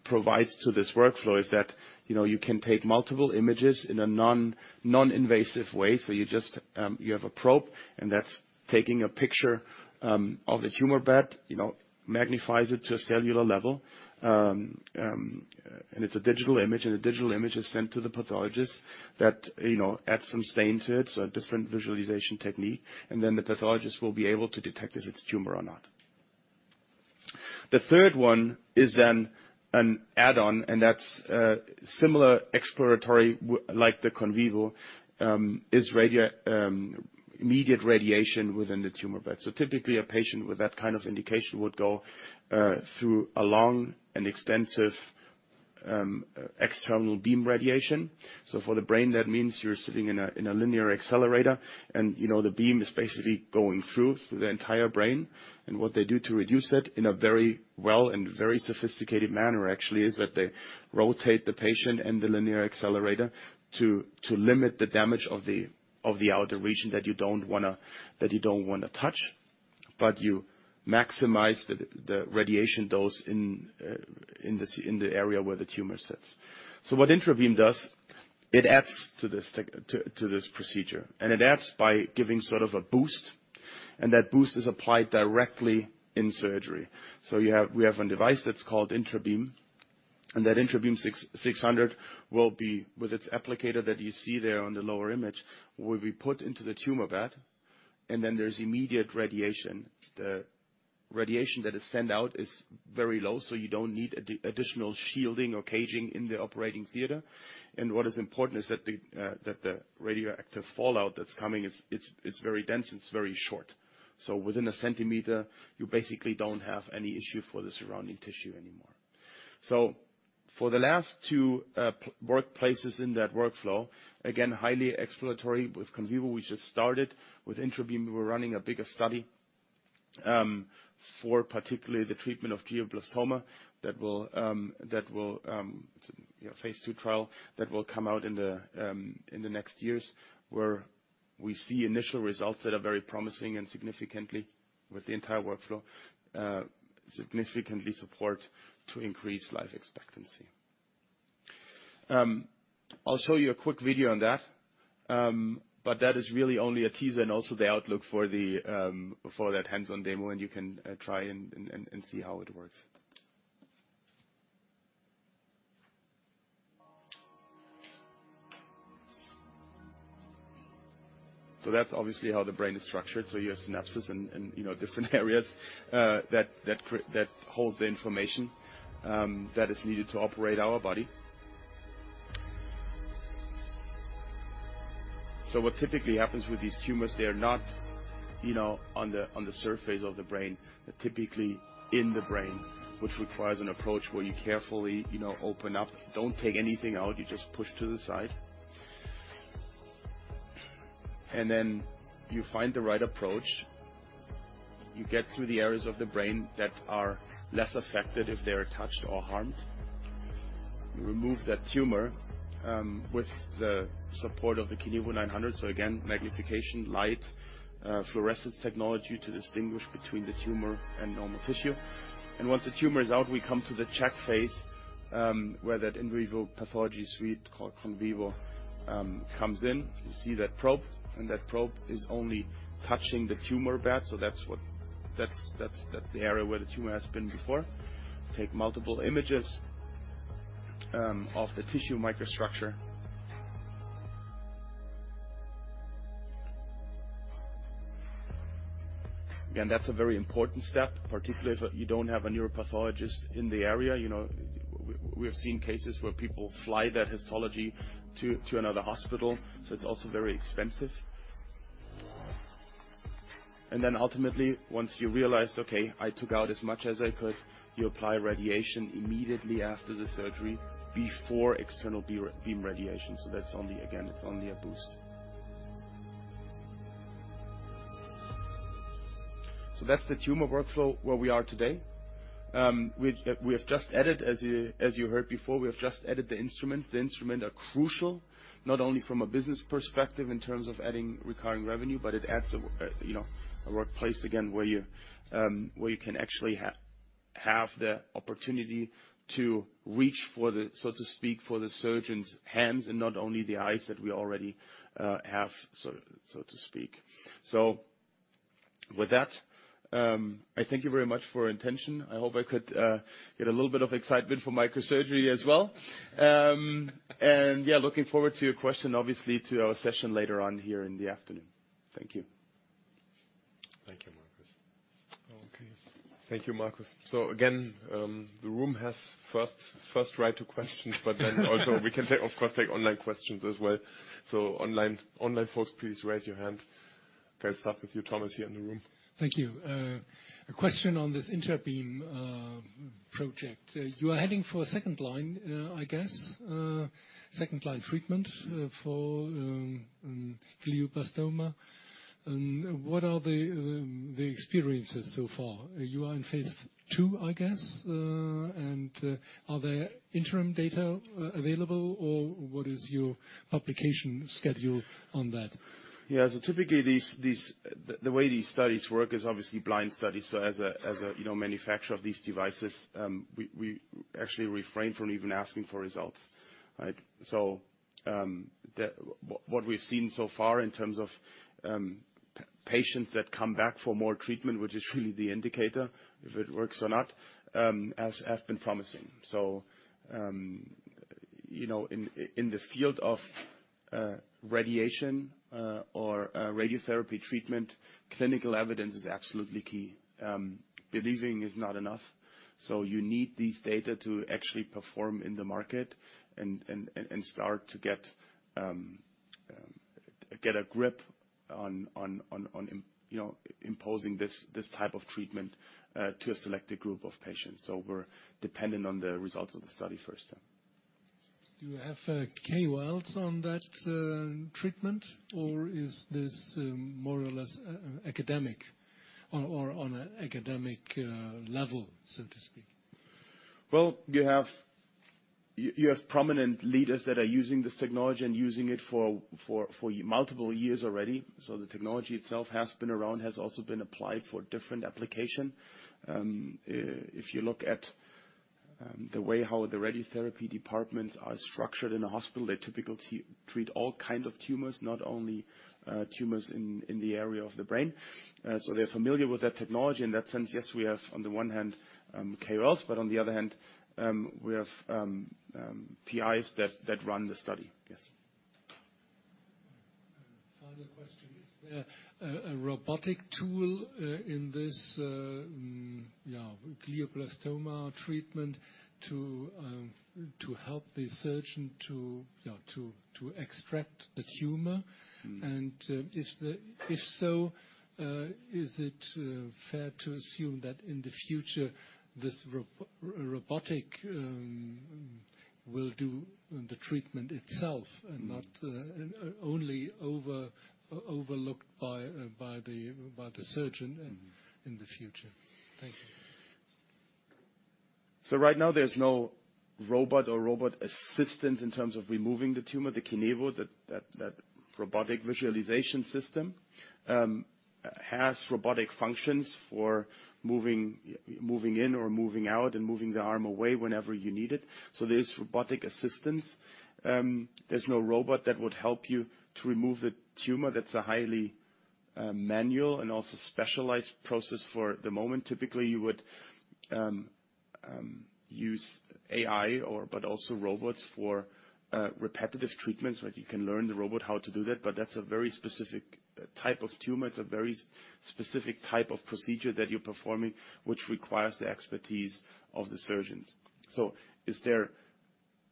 provides to this workflow is that, you know, you can take multiple images in a non-invasive way. You just, you have a probe, and that's taking a picture of the tumor bed, you know, magnifies it to a cellular level, and it's a digital image, and the digital image is sent to the pathologist that, you know, adds some stain to it, so a different visualization technique, and then the pathologist will be able to detect if it's tumor or not. The third one is then an add-on, and that's similar exploratory like the CONVIVO, is immediate radiation within the tumor bed. Typically, a patient with that kind of indication would go through a long and extensive external beam radiation. For the brain, that means you're sitting in a, in a linear accelerator, and, you know, the beam is basically going through the entire brain. What they do to reduce that in a very well and very sophisticated manner actually is that they rotate the patient and the linear accelerator to limit the damage of the, of the outer region that you don't wanna touch. You maximize the radiation dose in the area where the tumor sits. What INTRABEAM does, it adds to this procedure, and it adds by giving sort of a boost, and that boost is applied directly in surgery. We have a device that's called INTRABEAM, and that INTRABEAM 600 will be, with its applicator that you see there on the lower image, will be put into the tumor bed, and then there's immediate radiation. The radiation that is sent out is very low, so you don't need additional shielding or caging in the operating theater. What is important is that the, that the radioactive fallout that's coming, it's very dense, and it's very short. Within a centimeter, you basically don't have any issue for the surrounding tissue anymore. For the last two workplaces in that workflow, again, highly exploratory. With CONVIVO, we just started. With INTRABEAM, we're running a bigger study for particularly the treatment of glioblastoma that will, you know, phase 2 trial that will come out in the next years, where we see initial results that are very promising and significantly with the entire workflow, significantly support to increase life expectancy. I'll show you a quick video on that, but that is really only a teaser and also the outlook for the hands-on demo, and you can try and see how it works. That's obviously how the brain is structured. You have synapses and, you know, different areas that holds the information that is needed to operate our body. What typically happens with these tumors, they are not, you know, on the surface of the brain. They're typically in the brain, which requires an approach where you carefully, you know, open up, don't take anything out, you just push to the side. You find the right approach. You get through the areas of the brain that are less affected if they're touched or harmed. You remove that tumor with the support of the KINEVO 900. Again, magnification, light, fluorescence technology to distinguish between the tumor and normal tissue. Once the tumor is out, we come to the check phase, where that in vivo pathology suite called CONVIVO comes in. You see that probe, and that probe is only touching the tumor bed. That's the area where the tumor has been before. Take multiple images of the tissue microstructure. That's a very important step, particularly if you don't have a neuropathologist in the area. You know, we have seen cases where people fly that histology to another hospital, so it's also very expensive. Ultimately, once you realized, okay, I took out as much as I could, you apply radiation immediately after the surgery before external beam radiation. That's only again, it's only a boost. That's the tumor workflow where we are today. We have just added, as you heard before, we have just added the instruments. The instrument are crucial not only from a business perspective in terms of adding recurring revenue, but it adds, you know, a workplace again where you can actually have the opportunity to reach for the, so to speak, for the surgeon's hands and not only the eyes that we already have, so to speak. With that, I thank you very much for attention. I hope I could get a little bit of excitement for microsurgery as well. Yeah, looking forward to your question, obviously, to our session later on here in the afternoon. Thank you. Thank you, Magnus. Okay. Thank you, Magnus. Again, the room has first right to questions, but then also we can take, of course, take online questions as well. Online folks, please raise your hand. Can start with you, Thomas, here in the room. Thank you. A question on this INTRABEAM project. You are heading for a second line, I guess, second line treatment for glioblastoma. What are the experiences so far? You are in phase II, I guess. Are there interim data available or what is your publication schedule on that? Yeah. Typically these, the way these studies work is obviously blind studies. As a, you know, manufacturer of these devices, we actually refrain from even asking for results, right? What we've seen so far in terms of patients that come back for more treatment, which is really the indicator if it works or not, has been promising. You know, in the field of radiation or radiotherapy treatment, clinical evidence is absolutely key. Believing is not enough, so you need these data to actually perform in the market and start to get a grip on, you know, imposing this type of treatment to a selected group of patients. We're dependent on the results of the study first. Do you have KOLs on that treatment or is this more or less academic or on a academic level, so to speak? Well, you have prominent leaders that are using this technology and using it for multiple years already. The technology itself has been around, has also been applied for different application. If you look at the way how the radiotherapy departments are structured in a hospital, they typically treat all kind of tumors, not only tumors in the area of the brain. They're familiar with that technology. In that sense, yes, we have on the one hand KOLs, but on the other hand, we have PIs that run the study. Yes. Final question. Is there a robotic tool in this glioblastoma treatment to help the surgeon to extract the tumor? If so, is it fair to assume that in the future this robotic will do the treatment itself? Yeah. not, and only overlooked by the surgeon in the future? Thank you. Right now there's no robot or robot assistant in terms of removing the tumor. The KINEVO, that robotic visualization system, has robotic functions for moving in or moving out and moving the arm away whenever you need it. There is robotic assistance. There's no robot that would help you to remove the tumor. That's a highly manual and also specialized process for the moment. Typically, you would use AI but also robots for repetitive treatments, right? You can learn the robot how to do that, but that's a very specific type of tumor. It's a very specific type of procedure that you're performing, which requires the expertise of the surgeons. Is there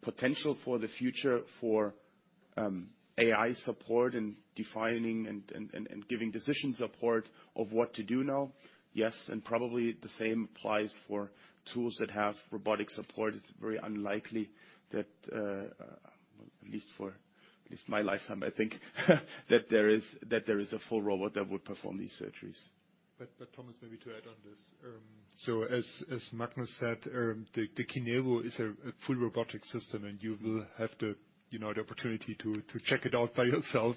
potential for the future for AI support in defining and giving decision support of what to do now? Yes, probably the same applies for tools that have robotic support. It's very unlikely that, at least my lifetime, I think, that there is a full robot that would perform these surgeries. Thomas, maybe to add on this. As Magnus said, the KINEVO is a full robotic system, and you will have to, you know, the opportunity to check it out by yourself.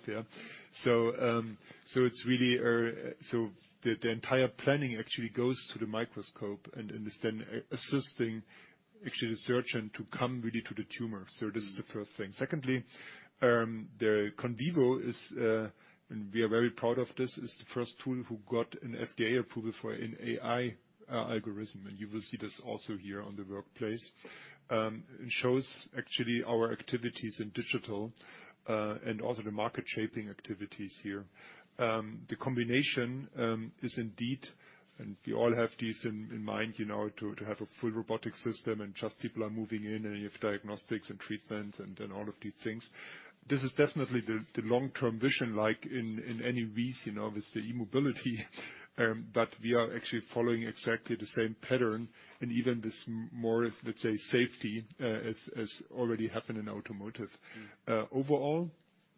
It's really. The entire planning actually goes to the microscope and is then assisting actually the surgeon to come really to the tumor. This is the first thing. Secondly, the CONVIVO is, and we are very proud of this, is the first tool who got an FDA approval for an AI algorithm, and you will see this also here on the workplace. It shows actually our activities in digital and also the market shaping activities here. The combination is indeed, and we all have this in mind, you know, to have a full robotic system and just people are moving in and you have diagnostics and treatments and all of these things. This is definitely the long-term vision, like in any V's, you know, obviously e-mobility, but we are actually following exactly the same pattern and even this more of, let's say, safety, as already happened in automotive. Overall.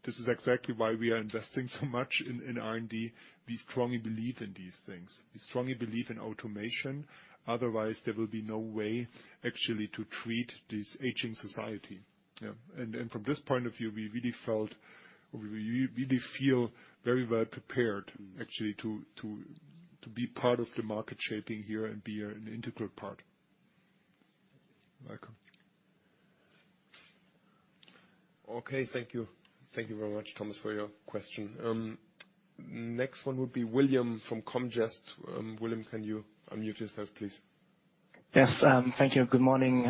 This is exactly why we are investing so much in R&D. We strongly believe in these things. We strongly believe in automation, otherwise there will be no way actually to treat this aging society. Yeah. From this point of view, we really feel very well prepared actually to be part of the market shaping here and be an integral part. Welcome. Okay. Thank you. Thank you very much, Thomas, for your question. Next one would be William from Comgest. William, can you unmute yourself, please? Yes. Thank you and good morning.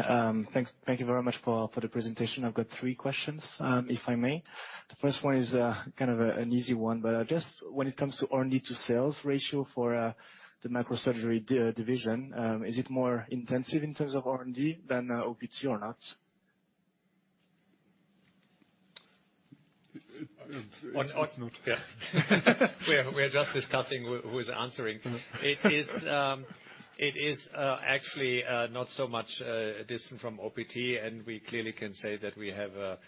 Thanks, thank you very much for the presentation. I've got three questions, if I may. The first one is kind of an easy one, but just when it comes to R&D to sales ratio for the microsurgery division, is it more intensive in terms of R&D than OPT or not? It, it- Yeah. We are just discussing who is answering. It is actually not so much distant from OPT, and we clearly can say that we have a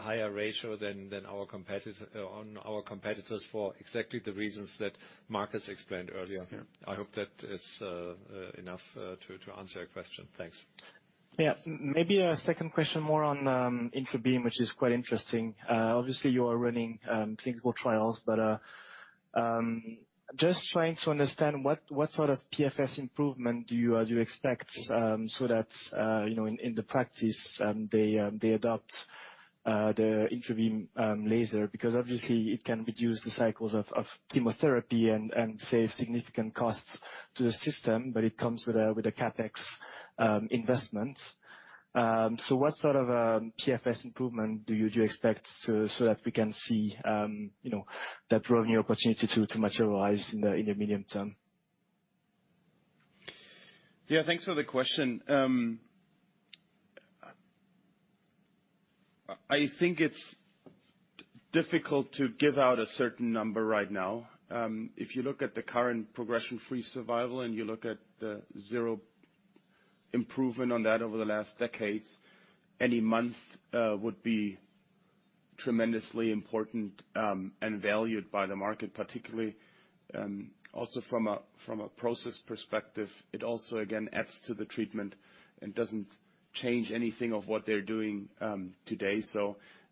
higher ratio than on our competitors for exactly the reasons that Marcus explained earlier. Yeah. I hope that is enough to answer your question. Thanks. Yeah. Maybe a second question more on INTRABEAM, which is quite interesting. Obviously you are running clinical trials, just trying to understand what sort of PFS improvement do you expect so that, you know, in the practice, they adopt the INTRABEAM laser? Obviously it can reduce the cycles of chemotherapy and save significant costs to the system, but it comes with a CapEx investment. What sort of PFS improvement do you expect so that we can see, you know, that revenue opportunity to materialize in the medium term? Thanks for the question. I think it's difficult to give out a certain number right now. If you look at the current progression-free survival and you look at the zero improvement on that over the last decades, any month would be tremendously important and valued by the market particularly. Also from a process perspective, it also again adds to the treatment and doesn't change anything of what they're doing today.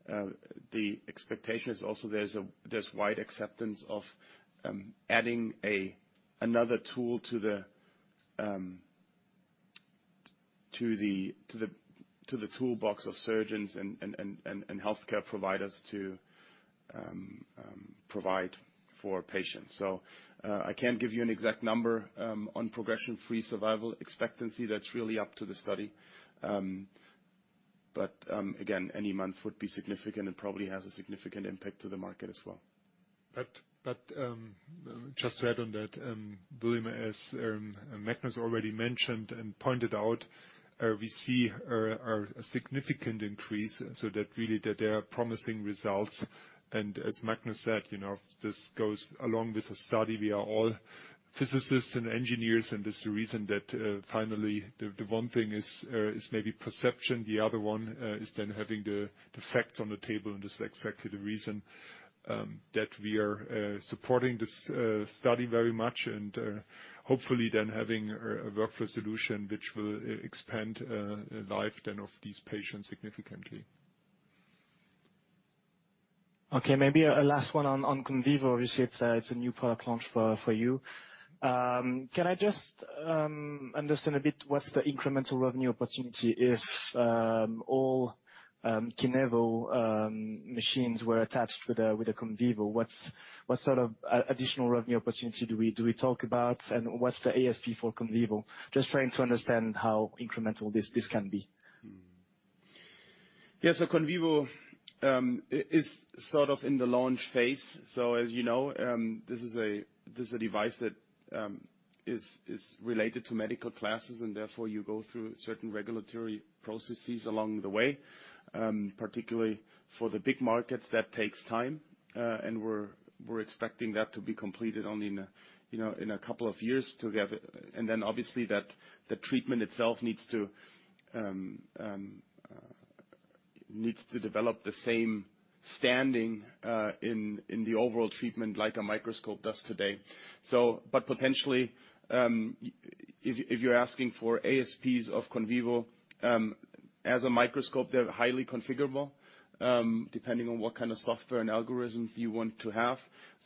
The expectation is also there's wide acceptance of adding another tool to the toolbox of surgeons and healthcare providers to provide for patients. I can't give you an exact number on progression-free survival expectancy. That's really up to the study. Again, any month would be significant and probably has a significant impact to the market as well. Just to add on that, William, as Magnus already mentioned and pointed out, we see a significant increase, really there are promising results. As Magnus said, you know, this goes along with the study. We are all physicists and engineers, this is the reason that finally, the one thing is maybe perception, the other one is then having the facts on the table, that's exactly the reason that we are supporting this study very much. Hopefully then having a workflow solution which will expand the life then of these patients significantly. Okay. Maybe a last one on CONVIVO. Obviously, it's a new product launch for you. Can I just understand a bit what's the incremental revenue opportunity if all KINEVO machines were attached with a CONVIVO? What sort of additional revenue opportunity do we talk about, and what's the ASP for CONVIVO? Just trying to understand how incremental this can be. Yes. CONVIVO is sort of in the launch phase. As you know, this is a device that is related to medical classes and therefore you go through certain regulatory processes along the way. Particularly for the big markets, that takes time, and we're expecting that to be completed only in a, you know, in a couple of years to have. And then obviously the treatment itself needs to develop the same standing in the overall treatment like a microscope does today. Potentially, if you're asking for ASPs of CONVIVO, as a microscope, they're highly configurable, depending on what kind of software and algorithms you want to have.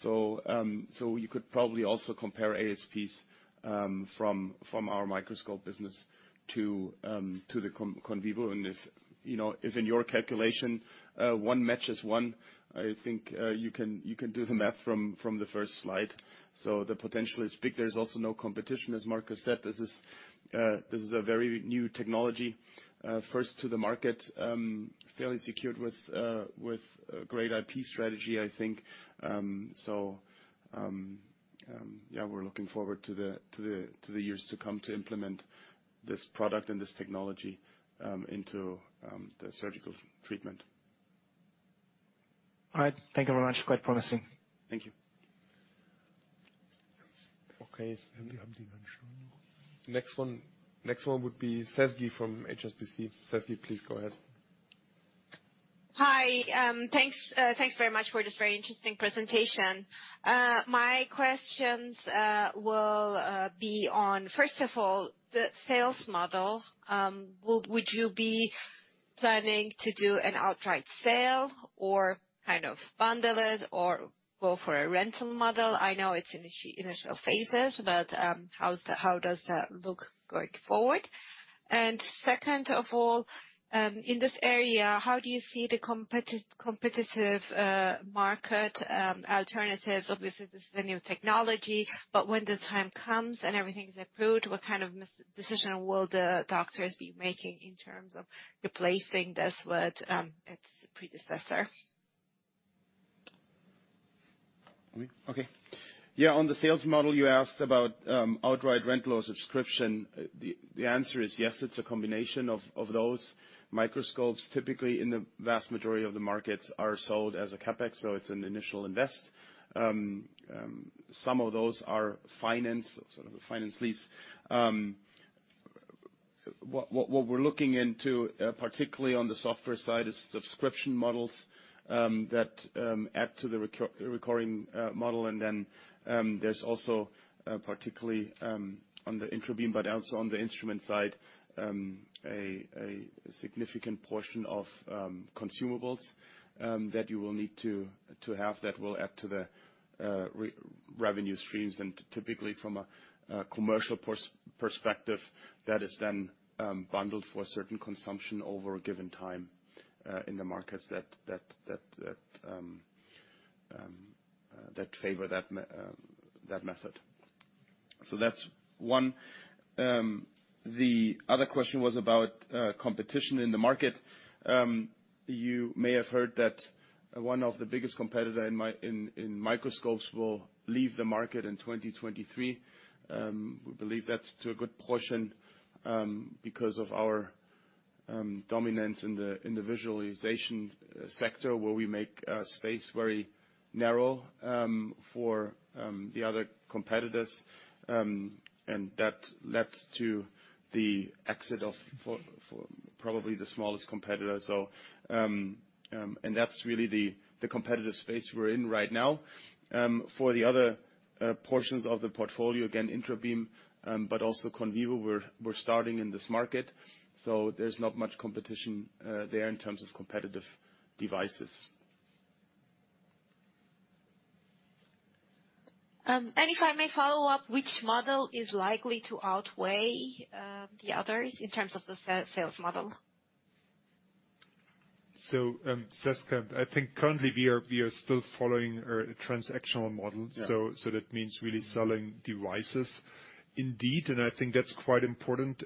You could probably also compare ASPs from our microscope business to the CONVIVO. If, you know, if in your calculation, one matches one, I think, you can do the math from the first slide. The potential is big. There's also no competition, as Marcus said. This is a very new technology, first to the market, fairly secured with a great IP strategy, I think. Yeah, we're looking forward to the years to come to implement this product and this technology into the surgical treatment. All right. Thank you very much. Quite promising. Thank you. Okay. We have the next one. Next one would be Sezgi from HSBC. Sezgi, please go ahead. Hi, thanks very much for this very interesting presentation. My questions will be on, first of all, the sales model. Would you be planning to do an outright sale or kind of bundle it or go for a rental model? I know it's initial phases, but how does that look going forward? Second of all, in this area, how do you see the competitive market alternatives? Obviously, this is a new technology, but when the time comes and everything is approved, what kind of decision will the doctors be making in terms of replacing this with its predecessor? Okay. Yeah, on the sales model, you asked about outright rental or subscription. The answer is yes, it's a combination of those. Microscopes, typically in the vast majority of the markets, are sold as a CapEx, so it's an initial invest. Some of those are finance, sort of a finance lease. What we're looking into, particularly on the software side, is subscription models that add to the recurring model. There's also, particularly on the INTRABEAM but also on the instrument side, a significant portion of consumables that you will need to have that will add to the revenue streams. Typically from a commercial perspective, that is then bundled for certain consumption over a given time in the markets that favor that method. That's one. The other question was about competition in the market. You may have heard that one of the biggest competitor in microscopes will leave the market in 2023. We believe that's to a good portion because of our dominance in the visualization sector, where we make space very narrow for probably the smallest competitor. That's really the competitive space we're in right now. For the other portions of the portfolio, again, INTRABEAM, but also CONVIVO, we're starting in this market, so there's not much competition there in terms of competitive devices. If I may follow up, which model is likely to outweigh the others in terms of the sales model? Sezgi, I think currently we are still following a transactional model. Yeah. So that means really selling devices indeed, and I think that's quite important.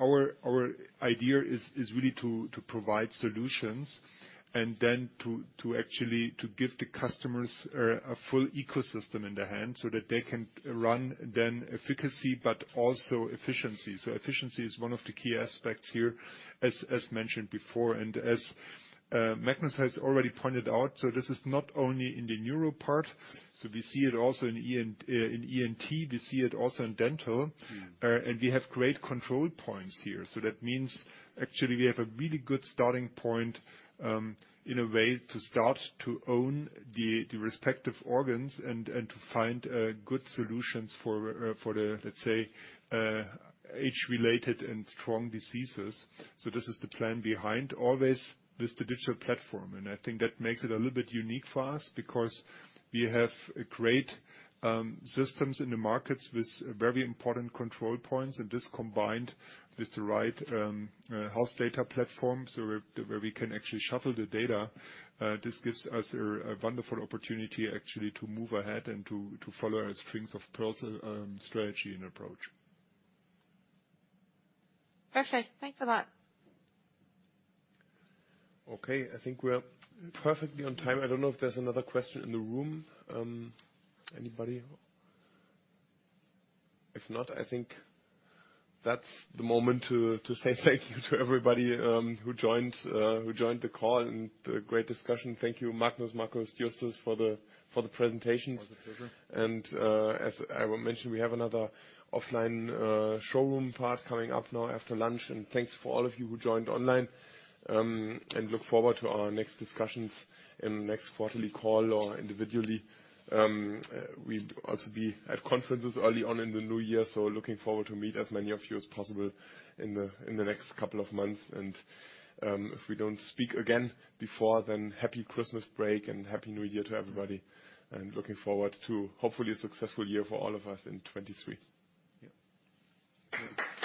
Our idea is really to provide solutions and then to actually to give the customers a full ecosystem in their hand so that they can run then efficacy but also efficiency. Efficiency is one of the key aspects here, as mentioned before. As Magnus has already pointed out, this is not only in the neuro part. We see it also in ENT. We see it also in dental. We have great control points here. That means actually we have a really good starting point, in a way to start to own the respective organs and to find good solutions for the, let's say, age-related and strong diseases. This is the plan behind always this, the digital platform. I think that makes it a little bit unique for us because we have great systems in the markets with very important control points. This combined with the right health data platform, where we can actually shuffle the data, this gives us a wonderful opportunity actually to move ahead and to follow our strings of pearl strategy and approach. Perfect. Thanks a lot. Okay. I think we're perfectly on time. I don't know if there's another question in the room. Anybody? If not, I think that's the moment to say thank you to everybody who joined the call and the great discussion. Thank you, Magnus, Markus, Justus for the presentations. My pleasure. As I mentioned, we have another offline showroom part coming up now after lunch. Thanks for all of you who joined online, and look forward to our next discussions in the next quarterly call or individually. We'll also be at conferences early on in the new year, so looking forward to meet as many of you as possible in the next couple of months. If we don't speak again before then, happy Christmas break and Happy New Year to everybody. Looking forward to hopefully a successful year for all of us in 2023.